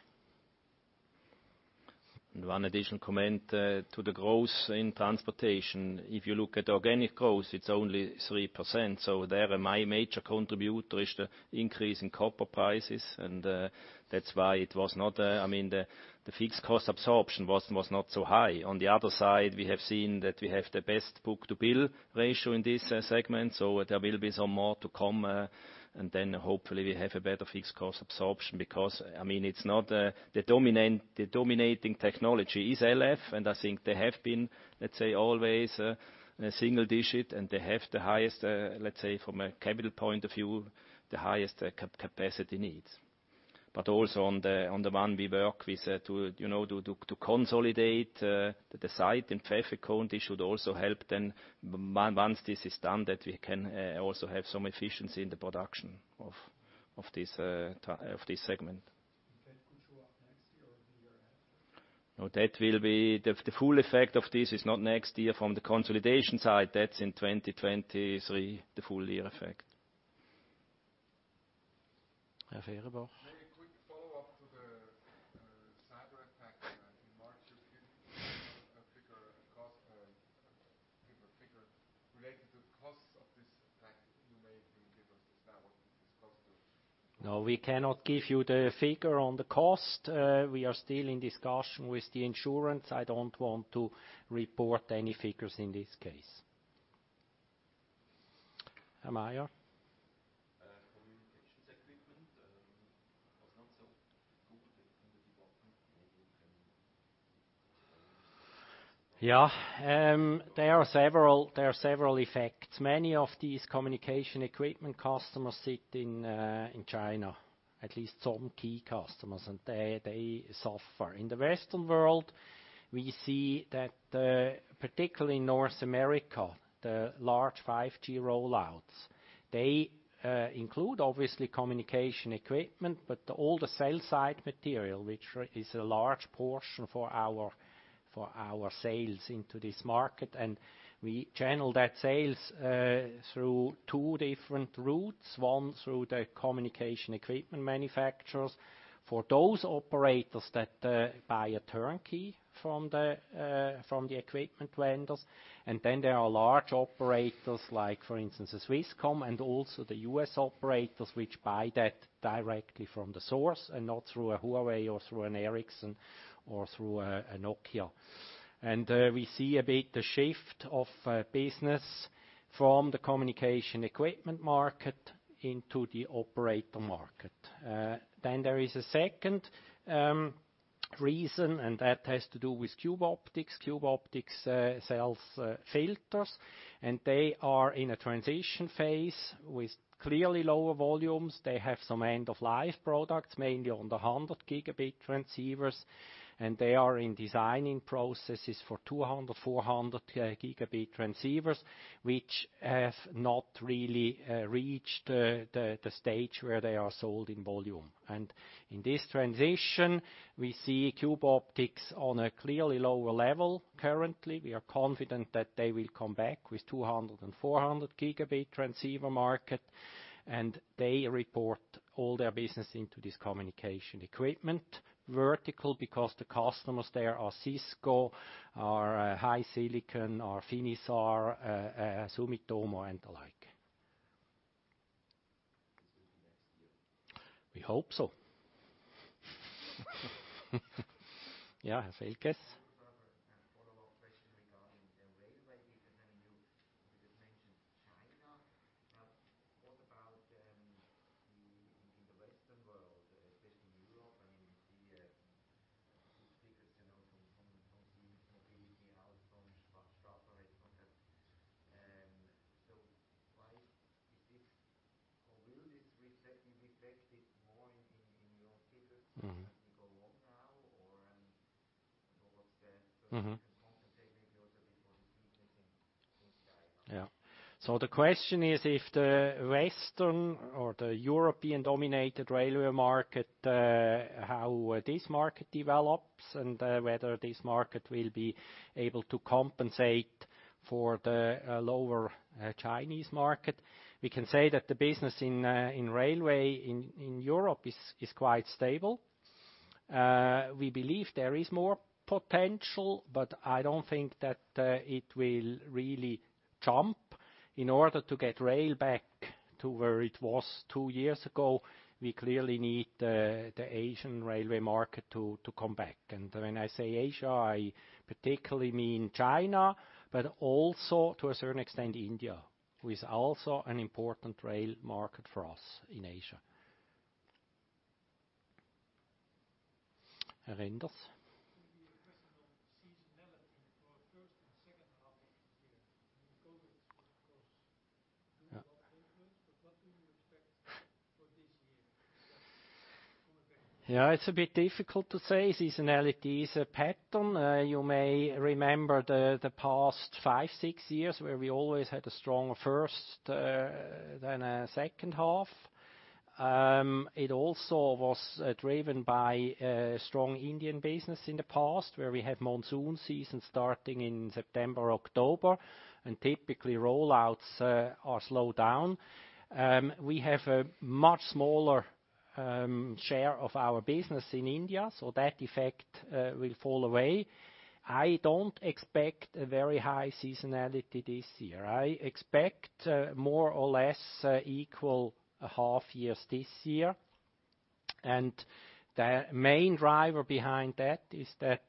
One additional comment to the growth in Transportation. If you look at organic growth, it's only 3%. There, my major contributor is the increase in copper prices. That's why the fixed cost absorption was not so high. On the other side, we have seen that we have the best book-to-bill ratio in this segment. There will be some more to come, and then hopefully we have a better fixed cost absorption. The dominating technology is LF, and I think they have been, let's say, always a single digit, and they have the highest, let's say, from a capital point of view, the highest capacity needs. Also on the one we work with to consolidate the site in Pfäffikon. It should also help then once this is done, that we can also have some efficiency in the production of this segment. That could show up next year or the year after? No, the full effect of this is not next year from the consolidation side. That's in 2023, the full year effect. Richard Fehrenbach? A quick follow-up to the cyber attack in March. Can you give a figure related to the cost of this attack you made? Can you give us this? Is that what this cost was? No, we cannot give you the figure on the cost. We are still in discussion with the insurance. I don't want to report any figures in this case. Maier? Communication equipment. Was not so good. I wonder if you can tell us. Yeah. There are several effects. Many of these communication equipment customers sit in China, at least some key customers, and they suffer. In the Western world, we see that particularly in North America, the large 5G roll-outs, they include obviously communication equipment, but all the sell-side material, which is a large portion for our sales into this market. We channel that sales through two different routes, one through the communication equipment manufacturers. For those operators that buy a turnkey from the equipment vendors, and then there are large operators like, for instance, a Swisscom and also the U.S. operators, which buy that directly from the source and not through a Huawei or through an Ericsson or through a Nokia. We see a bit the shift of business from the communication equipment market into the operator market. There is a second reason, and that has to do with Cube Optics. Cube Optics sells filters, and they are in a transition phase with clearly lower volumes. They have some end-of-life products, mainly on the 100 Gb transceivers, and they are in designing processes for 200 Gb, 400 Gb transceivers, which has not really reached the stage where they are sold in volume. In this transition, we see Cube Optics on a clearly lower level currently. We are confident that they will come back with 200 Gb and 400 Gb transceiver market, and they report all their business into this communication equipment vertical because the customers there are Cisco, are HiSilicon, are Finisar, Sumitomo, and the like. We hope so. Yeah, Armin Felke? What about in the Western world, especially in Europe? I mean, we see these figures from Siemens Mobility, Alstom. Why is this, or will this be affected more in your figures as we go along now? What's the compensate maybe also before this meeting inside? Yeah. The question is, if the Western or the European-dominated railway market, how this market develops and whether this market will be able to compensate for the lower Chinese market. We can say that the business in railway in Europe is quite stable. We believe there is more potential, but I don't think that it will really jump. In order to get rail back to where it was two years ago, we clearly need the Asian railway market to come back. When I say Asia, I particularly mean China, but also, to a certain extent, India, who is also an important rail market for us in Asia. Reynolds? Could be a question on seasonality for first and second half of this year. I mean, COVID was, of course, influence. What do you expect for this year? It's a bit difficult to say. Seasonality is a pattern. You may remember the past five, six years, where we always had a stronger first than second half. It also was driven by strong Indian business in the past, where we have monsoon season starting in September or October, and typically roll-outs are slowed down. That effect will fall away. I don't expect a very high seasonality this year. I expect more or less equal half years this year, and the main driver behind that is that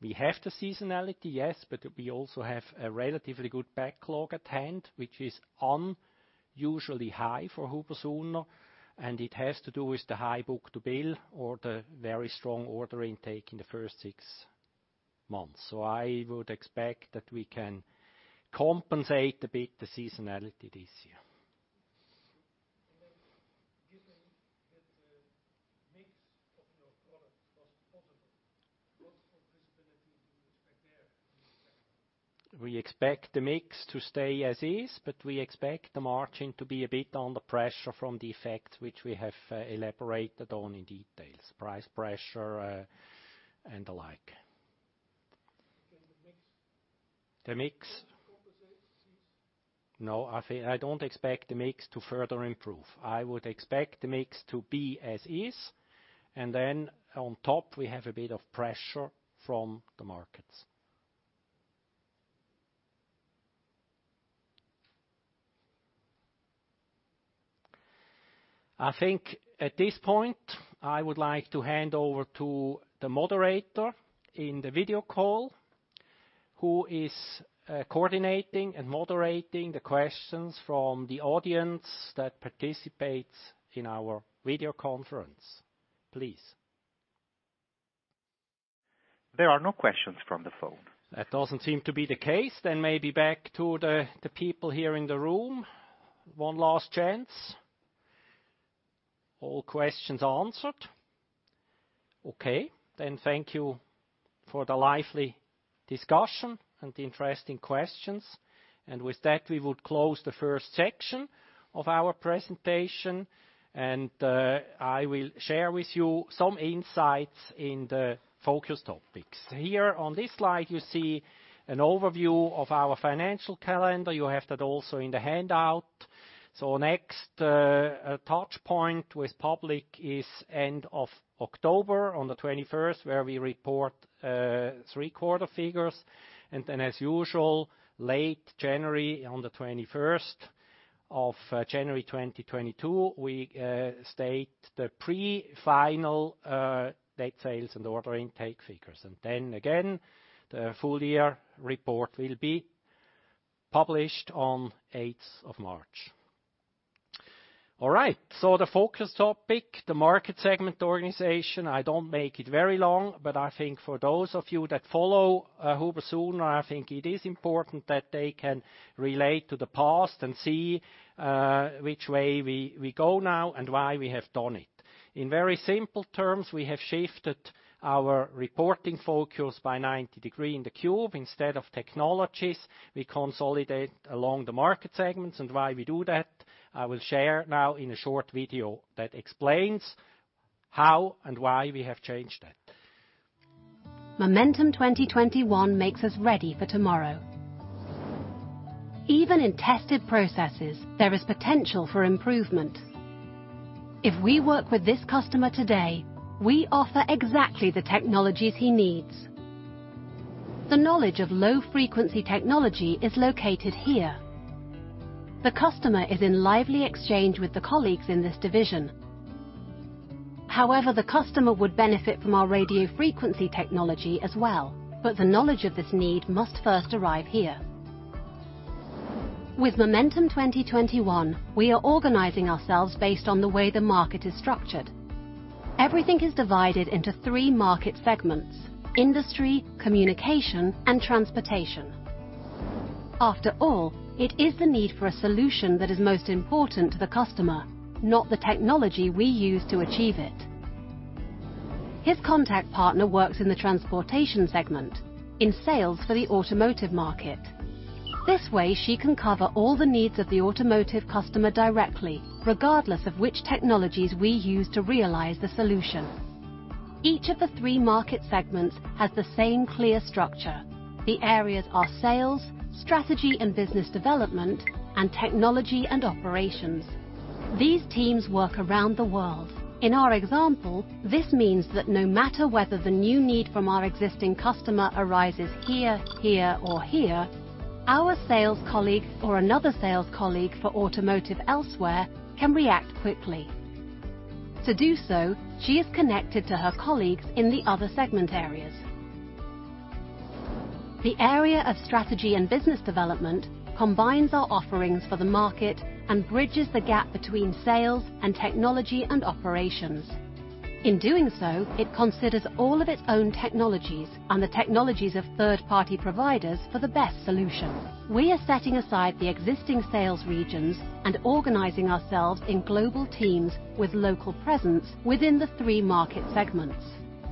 we have the seasonality, yes, but we also have a relatively good backlog at hand, which is unusually high for HUBER+SUHNER, and it has to do with the high book-to-bill or the very strong order intake in the first six months. I would expect that we can compensate a bit the seasonality this year. Given that the mix of your product was positive, what sort of visibility do you expect there? We expect the mix to stay as is, but we expect the margin to be a bit under pressure from the effects which we have elaborated on in detail, price pressure, and the like. Can the mix. The mix. No, I don't expect the mix to further improve. I would expect the mix to be as is. On top, we have a bit of pressure from the markets. I think at this point, I would like to hand over to the moderator in the video call who is coordinating and moderating the questions from the audience that participates in our video conference. Please. There are no questions from the phone. That doesn't seem to be the case. Maybe back to the people here in the room. One last chance. All questions answered. Okay. Thank you for the lively discussion and the interesting questions. With that, we will close the first section of our presentation, and I will share with you some insights in the focus topics. Here on this slide, you see an overview of our financial calendar. You have that also in the handout. Next touchpoint with public is end of October, on the 21st, where we report three quarter figures. As usual, late January, on the 21st of January 2022, we state the pre-final details and order intake figures. The full year report will be published on 8th of March. The focus topic, the market segment organization, I don't make it very long, but I think for those of you that follow HUBER+SUHNER, I think it is important that they can relate to the past and see which way we go now and why we have done it. In very simple terms, we have shifted our reporting focus by 90 degrees in the Cube. Instead of technologies, we consolidate along the market segments. Why we do that, I will share now in a short video that explains how and why we have changed that. Momentum 2021 makes us ready for tomorrow. Even in tested processes, there is potential for improvement. If we work with this customer today, we offer exactly the technologies he needs. The knowledge of low-frequency technology is located here. The customer is in lively exchange with the colleagues in this division. The customer would benefit from our radio frequency technology as well, but the knowledge of this need must first arrive here. With Momentum 2021, we are organizing ourselves based on the way the market is structured. Everything is divided into three market segments: Industry, Communication, and Transportation. After all, it is the need for a solution that is most important to the customer, not the technology we use to achieve it. His contact partner works in the Transportation segment in sales for the automotive market. This way, she can cover all the needs of the automotive customer directly, regardless of which technologies we use to realize the solution. Each of the three market segments has the same clear structure. The areas are sales, strategy and business development, and technology and operations. These teams work around the world. In our example, this means that no matter whether the new need from our existing customer arises here, or here, our sales colleague or another sales colleague for automotive elsewhere can react quickly. To do so, she is connected to her colleagues in the other segment areas. The area of strategy and business development combines our offerings for the market and bridges the gap between sales and technology and operations. In doing so, it considers all of its own technologies and the technologies of third-party providers for the best solution. We are setting aside the existing sales regions and organizing ourselves in global teams with local presence within the three market segments.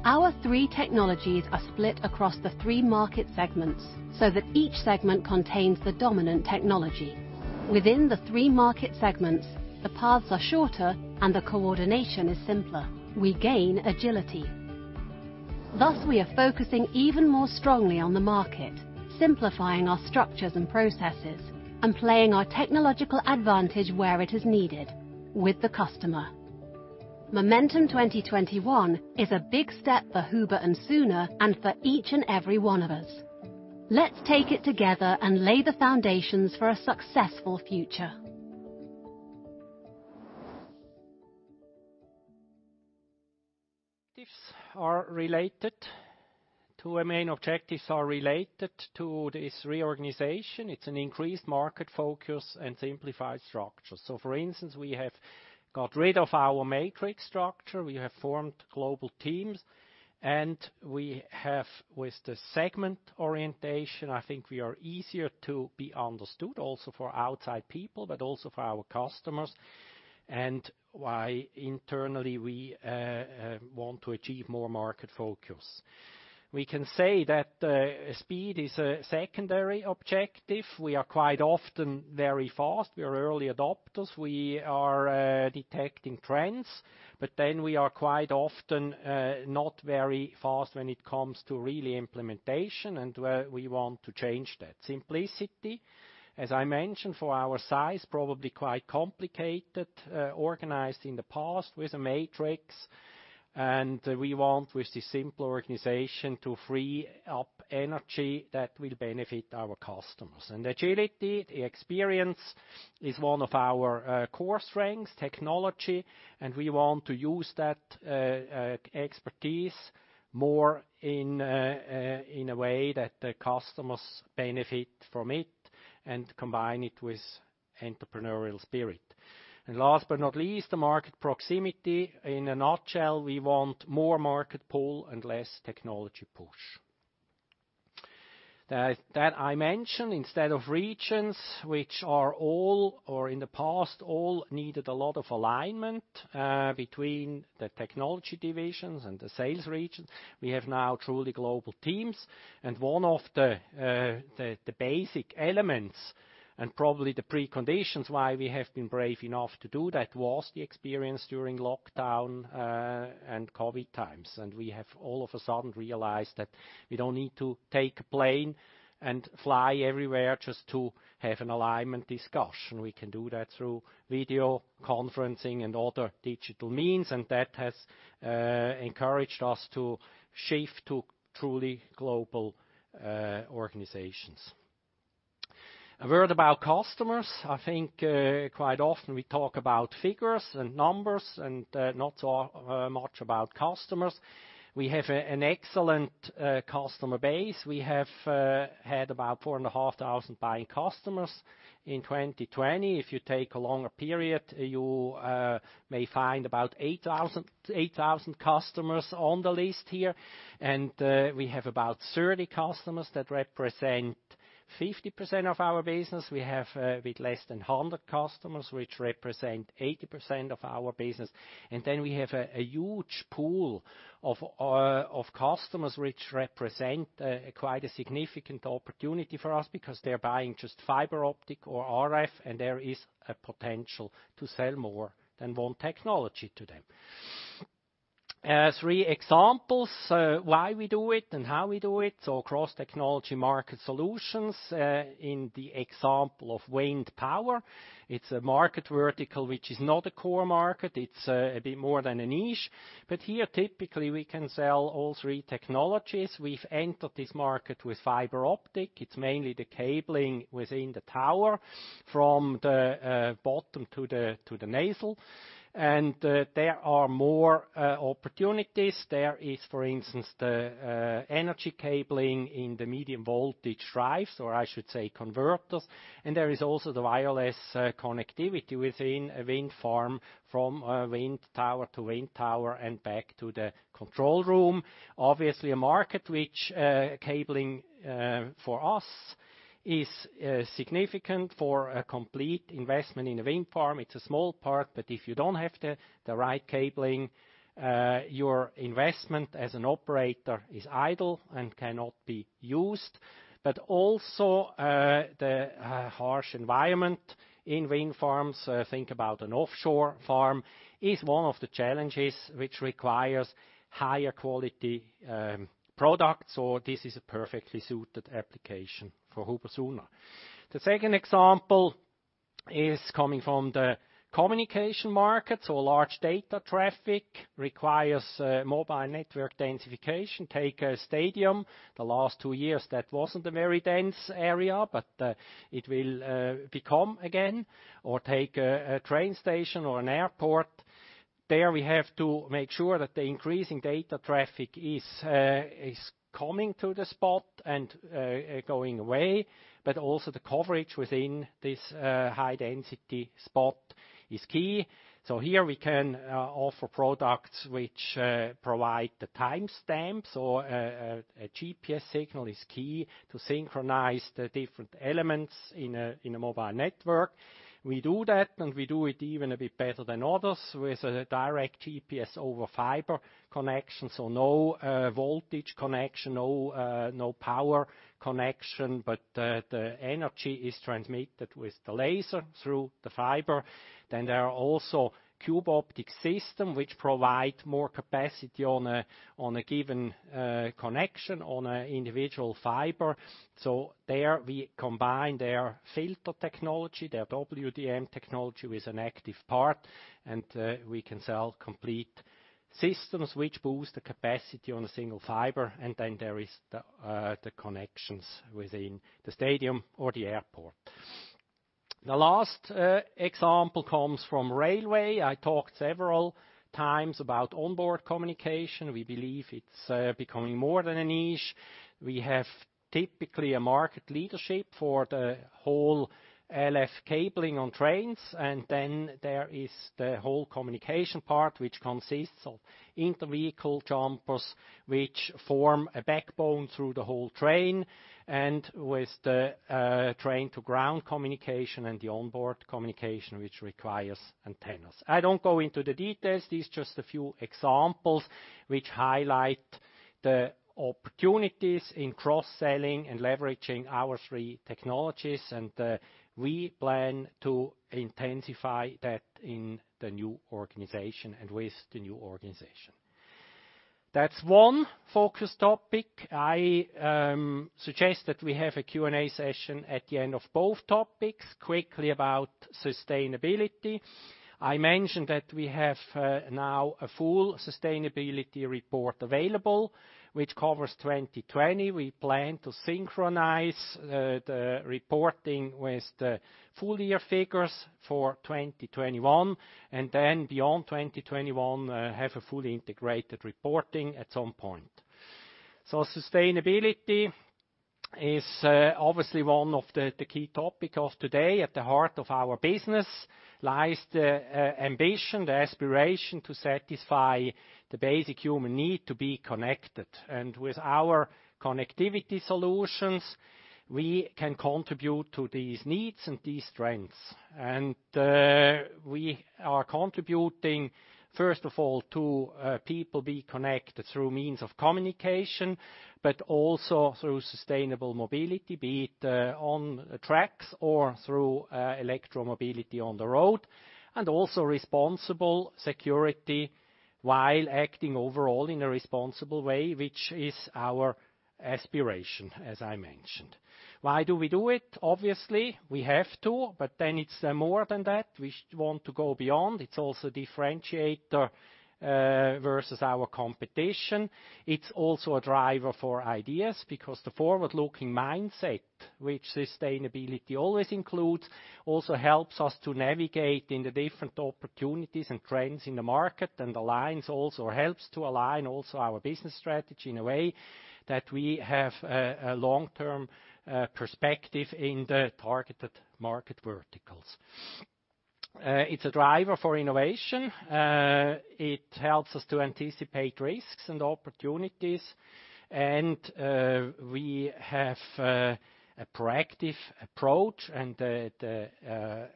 Our three technologies are split across the three market segments, so that each segment contains the dominant technology. Within the three market segments, the paths are shorter, and the coordination is simpler. We gain agility. Thus, we are focusing even more strongly on the market, simplifying our structures and processes, and playing our technological advantage where it is needed: with the customer. Momentum 2021 is a big step for HUBER+SUHNER and for each and every one of us. Let's take it together and lay the foundations for a successful future. Objectives are related. Two main objectives are related to this reorganization. It is an increased market focus and simplified structure. For instance, we have got rid of our matrix structure. We have formed global teams, we have with the segment orientation, I think we are easier to be understood also for outside people, but also for our customers, why internally we want to achieve more market focus. We can say that speed is a secondary objective. We are quite often very fast. We are early adopters. We are detecting trends, we are quite often not very fast when it comes to really implementation and we want to change that. Simplicity, as I mentioned, for our size probably quite complicated, organized in the past with a matrix. We want with this simple organization to free up energy that will benefit our customers. Agility, the experience is one of our core strengths, technology, and we want to use that expertise more in a way that the customers benefit from it and combine it with entrepreneurial spirit. Last but not least, the market proximity. In a nutshell, we want more market pull and less technology push. That I mentioned instead of regions which are all or in the past, all needed a lot of alignment between the technology divisions and the sales regions. We have now truly global teams and one of the basic elements and probably the preconditions why we have been brave enough to do that was the experience during lockdown and COVID times. We have all of a sudden realized that we don't need to take a plane and fly everywhere just to have an alignment discussion. We can do that through video conferencing and other digital means, and that has encouraged us to shift to truly global organizations. A word about customers. I think quite often we talk about figures and numbers and not so much about customers. We have an excellent customer base. We have had about 4,500 buying customers in 2020. If you take a longer period, you may find about 8,000 customers on the list here. We have about 30 customers that represent 50% of our business. We have a bit less than 100 customers, which represent 80% of our business. We have a huge pool of customers which represent quite a significant opportunity for us because they're buying just fiber optic or RF, and there is a potential to sell more than one technology to them. Three examples, why we do it and how we do it. Cross-technology market solutions in the example of wind power. It's a market vertical, which is not a core market. It's a bit more than a niche. But here, typically, we can sell all three technologies. We've entered this market with fiber optic. It's mainly the cabling within the tower from the bottom to the nacelle. There are more opportunities. There is, for instance, the energy cabling in the medium voltage drives, or I should say converters, and there is also the wireless connectivity within a wind farm from wind tower to wind tower and back to the control room. A market which cabling for us is significant for a complete investment in a wind farm. It's a small part, if you don't have the right cabling, your investment as an operator is idle and cannot be used. Also, the harsh environment in wind farms, think about an offshore farm, is one of the challenges which requires higher quality products. This is a perfectly suited application for HUBER+SUHNER. The second example is coming from the Communication market. Large data traffic requires mobile network densification. Take a stadium. The last two years, that wasn't a very dense area, but it will become again. Take a train station or an airport. There we have to make sure that the increasing data traffic is coming to the spot and going away, but also the coverage within this high-density spot is key. Here we can offer products which provide the timestamps or a GPS signal is key to synchronize the different elements in a mobile network. We do that, and we do it even a bit better than others with a direct GPS over fiber connection. No voltage connection, no power connection, but the energy is transmitted with the laser through the fiber. There are also Cube Optics system which provide more capacity on a given connection on a individual fiber. There we combine their filter technology, their WDM technology, with an active part, and we can sell complete systems which boost the capacity on a single fiber. There is the connections within the stadium or the airport. The last example comes from railway. I talked several times about onboard communication. We believe it's becoming more than a niche. We have typically a market leadership for the whole LF cabling on trains. Then there is the whole communication part, which consists of inter-vehicle jumpers, which form a backbone through the whole train, and with the train-to-ground communication and the onboard communication, which requires antennas. I don't go into the details. These are just a few examples which highlight the opportunities in cross-selling and leveraging our three technologies. We plan to intensify that in the new organization and with the new organization. That's one focus topic. I suggest that we have a Q&A session at the end of both topics. Quickly about sustainability. I mentioned that we have now a full sustainability report available which covers 2020. We plan to synchronize the reporting with the full year figures for 2021, and then beyond 2021, have a fully integrated reporting at some point. Sustainability is obviously one of the key topic of today. At the heart of our business lies the ambition, the aspiration to satisfy the basic human need to be connected. With our connectivity solutions, we can contribute to these needs and these strengths. We are contributing, first of all, to people be connected through means of communication, but also through sustainable mobility, be it on tracks or through electromobility on the road, and also responsible security while acting overall in a responsible way, which is our aspiration, as I mentioned. Why do we do it? Obviously, we have to, but then it's more than that. We want to go beyond. It's also differentiator versus our competition. It's also a driver for ideas because the forward-looking mindset, which sustainability always includes, also helps us to navigate in the different opportunities and trends in the market and helps to align also our business strategy in a way that we have a long-term perspective in the targeted market verticals. It's a driver for innovation. It helps us to anticipate risks and opportunities. We have a proactive approach and the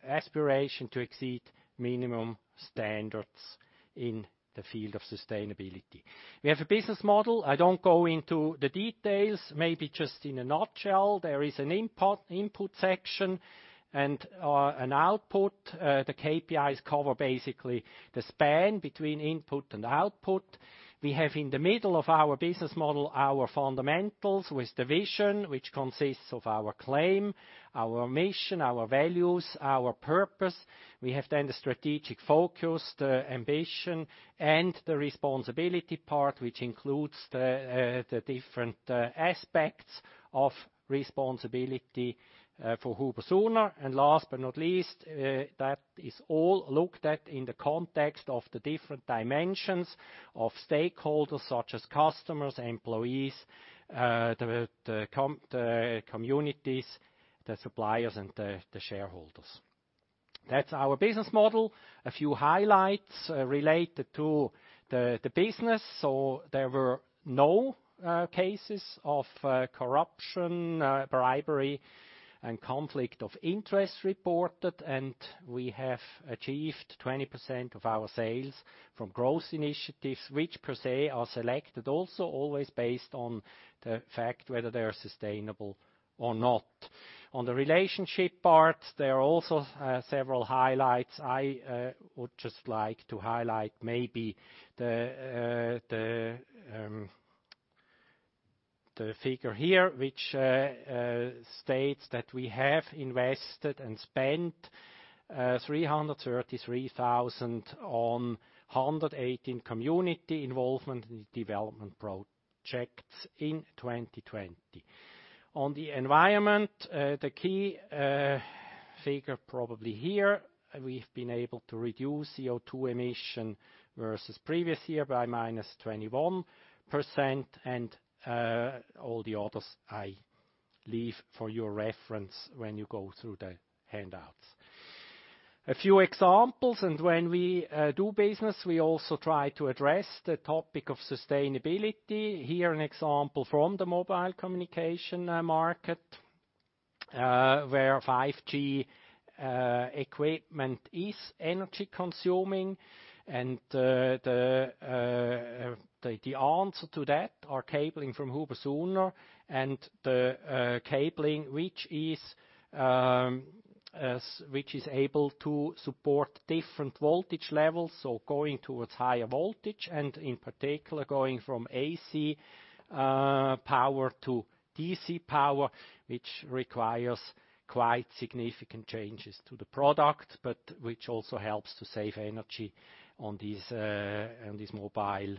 aspiration to exceed minimum standards in the field of sustainability. We have a business model. I don't go into the details. Maybe just in a nutshell, there is an input section and an output. The KPIs cover basically the span between input and output. We have in the middle of our business model, our fundamentals with the vision, which consists of our claim, our mission, our values, our purpose. We have the strategic focus, the ambition, and the responsibility part, which includes the different aspects of responsibility for HUBER+SUHNER. Last but not least, that is all looked at in the context of the different dimensions of stakeholders such as customers, employees, the communities, the suppliers, and the shareholders. That's our business model. A few highlights related to the business. There were no cases of corruption, bribery, and conflict of interest reported. We have achieved 20% of our sales from growth initiatives, which per se are selected also always based on the fact whether they are sustainable or not. On the relationship part, there are also several highlights. I would just like to highlight maybe the figure here, which states that we have invested and spent 333,000 on 118 community involvement and development projects in 2020. On the environment, the key figure probably here, we've been able to reduce CO2 emission versus previous year by -21%. All the others I leave for your reference when you go through the handouts. A few examples, when we do business, we also try to address the topic of sustainability. Here, an example from the mobile communication market, where 5G equipment is energy-consuming. The answer to that are cabling from HUBER+SUHNER, and the cabling which is able to support different voltage levels, so going towards higher voltage and, in particular, going from AC power to DC power, which requires quite significant changes to the product, but which also helps to save energy on these mobile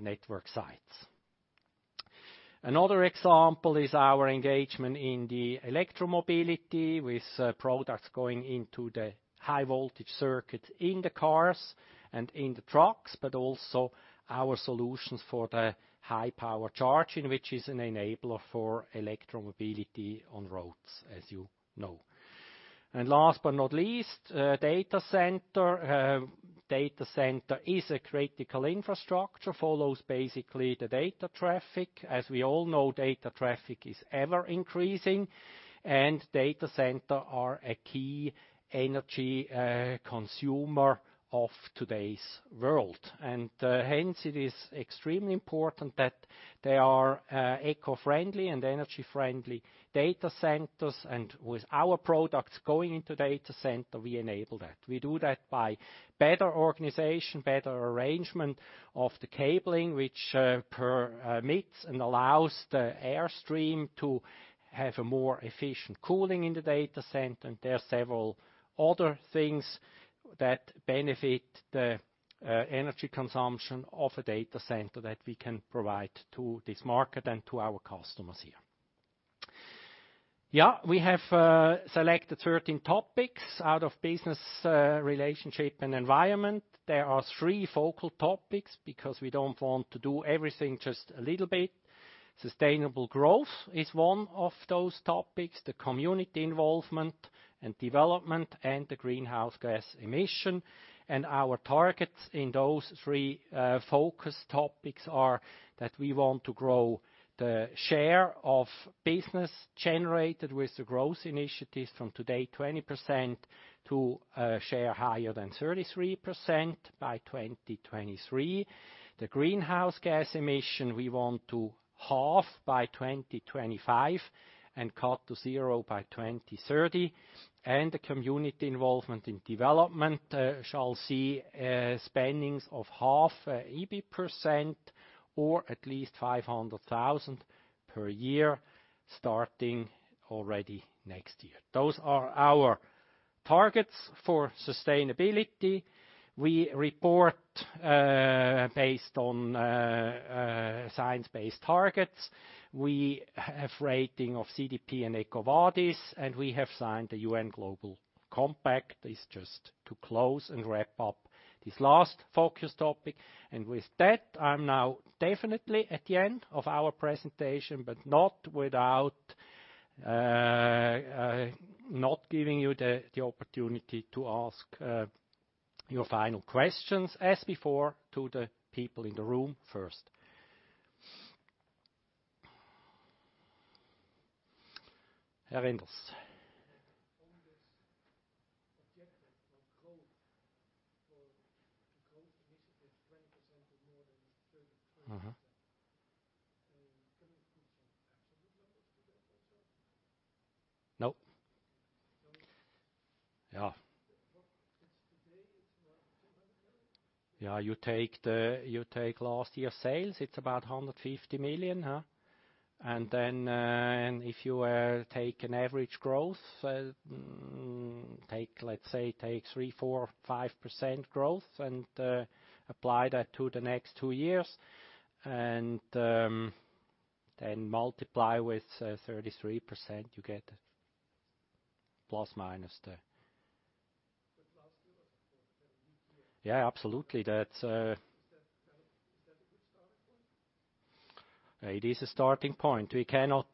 network sites. Another example is our engagement in the electromobility with products going into the high voltage circuit in the cars and in the trucks, but also our solutions for the high power charging, which is an enabler for electromobility on roads, as you know. Last but not least, data center. Data center is a critical infrastructure, follows basically the data traffic. As we all know, data traffic is ever-increasing, data center are a key energy consumer of today's world. Hence, it is extremely important that they are eco-friendly and energy-friendly data centers. With our products going into data center, we enable that. We do that by better organization, better arrangement of the cabling, which permits and allows the airstream to have a more efficient cooling in the data center. There are several other things that benefit the energy consumption of a data center that we can provide to this market and to our customers here. We have selected 13 topics out of business, relationship, and environment. There are three focal topics because we don't want to do everything just a little bit. Sustainable growth is one of those topics, the community involvement and development, and the greenhouse gas emission. Our targets in those three focus topics are that we want to grow the share of business generated with the growth initiatives from today 20% to a share higher than 33% by 2023. The greenhouse gas emission, we want to halve by 2025 and cut to zero by 2030. The community involvement in development shall see spendings of half of EBIT percent or at least 500,000 per year starting already next year. Those are our targets for sustainability. We report based on Science-Based Targets. We have rating of CDP and EcoVadis, and we have signed the UN Global Compact. This just to close and wrap up this last focus topic. With that, I'm now definitely at the end of our presentation, but not without not giving you the opportunity to ask your final questions, as before, to the people in the room first, Herr Enders. On this objective of growth, for the growth initiative, 20% or more than 33%, can we put some absolute numbers to that also? No. Yeah. Yeah, you take last year's sales, it's about 150 million. If you take an average growth, let's say, take 3%, 4%, 5% growth and apply that to the next two years, then multiply with 33%, you get plus, minus there. Yeah, absolutely. It is a starting point. We cannot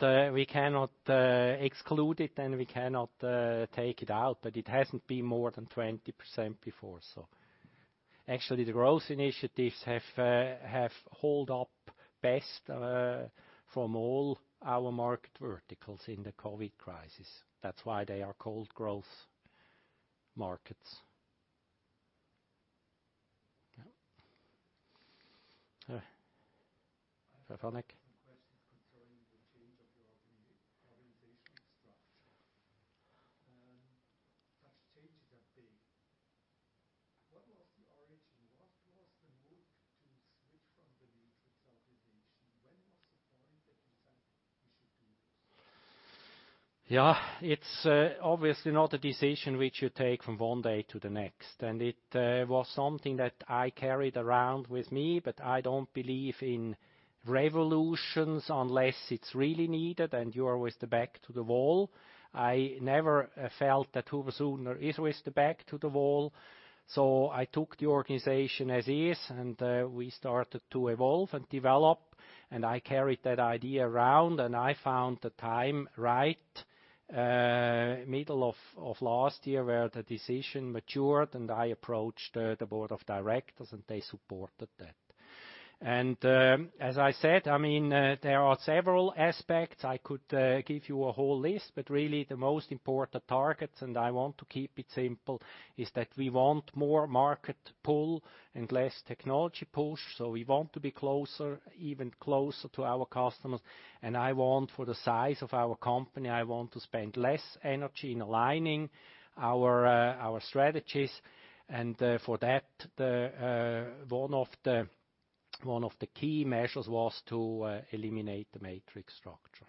exclude it, and we cannot take it out, but it hasn't been more than 20% before. Actually, the growth initiatives have held up best from all our market verticals in the COVID-19 crisis. That's why they are called growth markets. Yeah. Herr Vanick. I have a question concerning the change of your organization structure. Such changes are big. What was the origin? What was the move to switch from the matrix organization? When was the point that you said we should do this? Yeah. It's obviously not a decision which you take from one day to the next. It was something that I carried around with me, but I don't believe in revolutions unless it's really needed and you're with the back to the wall. I never felt that HUBER+SUHNER is with the back to the wall. I took the organization as is, and we started to evolve and develop, and I carried that idea around, and I found the time right, middle of last year, where the decision matured, and I approached the board of directors, and they supported that. As I said, there are several aspects. I could give you a whole list, but really the most important targets, and I want to keep it simple, is that we want more market pull and less technology push. We want to be even closer to our customers. For the size of our company, I want to spend less energy in aligning our strategies. For that, one of the key measures was to eliminate the matrix structure.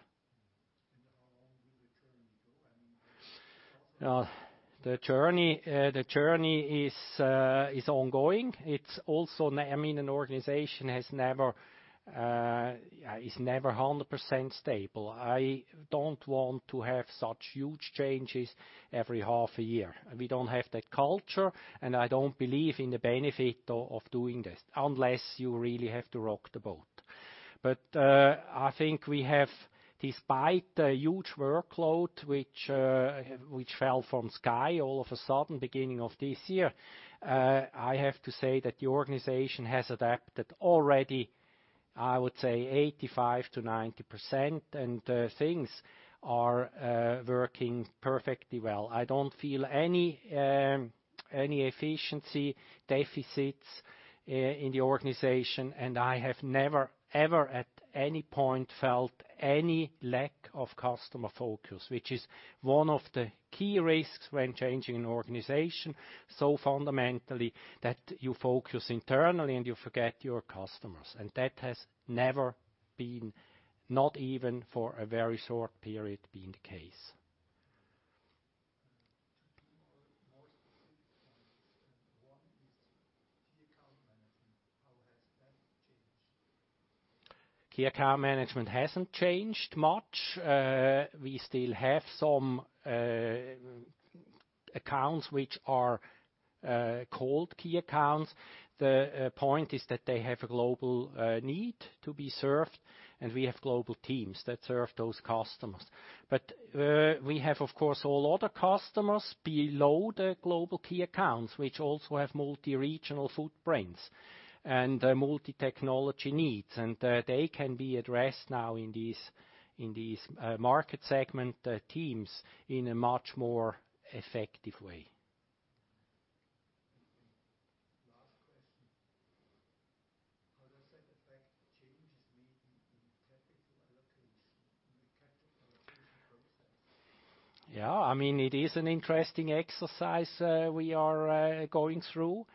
How long will the journey go? The journey is ongoing. An organization is never 100% stable. I don't want to have such huge changes every half a year. We don't have that culture, and I don't believe in the benefit of doing this, unless you really have to rock the boat. I think we have, despite the huge workload which fell from sky all of a sudden beginning of this year, I have to say that the organization has adapted already, I would say 85%-90%, and things are working perfectly well. I don't feel any efficiency deficits in the organization, and I have never, ever, at any point felt any lack of customer focus, which is one of the key risks when changing an organization so fundamentally that you focus internally, and you forget your customers. That has never been, not even for a very short period, been the case. To be more specific on this, one is key account management. How has that changed? Key account management hasn't changed much. We still have some accounts which are called key accounts. The point is that they have a global need to be served, and we have global teams that serve those customers. We have, of course, all other customers below the global key accounts, which also have multi-regional footprints and multi-technology needs, and they can be addressed now in these market segment teams in a much more effective way. Last question. How does that affect the changes made in the capital allocation process? It is an interesting exercise we are going through.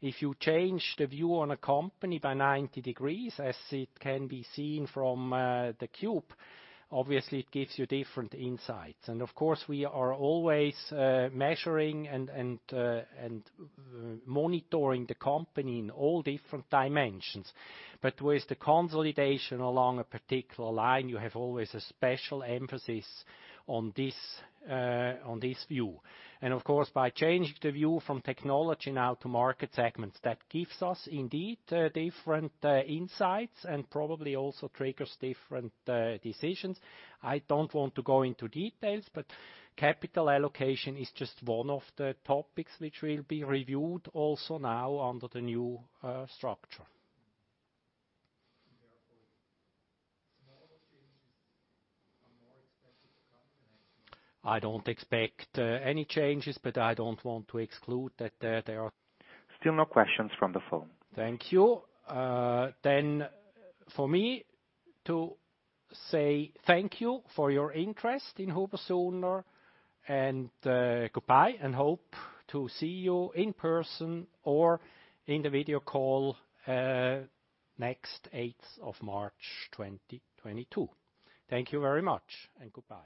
If you change the view on a company by 90 degrees, as it can be seen from the Cube, obviously, it gives you different insights. Of course, we are always measuring and monitoring the company in all different dimensions. With the consolidation along a particular line, you have always a special emphasis on this view. Of course, by changing the view from technology now to market segments, that gives us indeed different insights and probably also triggers different decisions. I don't want to go into details, capital allocation is just one of the topics which will be reviewed also now under the new structure. Therefore, smaller changes are more expected to come the next. I don't expect any changes, but I don't want to exclude. Still no questions from the phone. Thank you. For me to say thank you for your interest in HUBER+SUHNER and goodbye, and hope to see you in person or in the video call next 8th of March 2022. Thank you very much and goodbye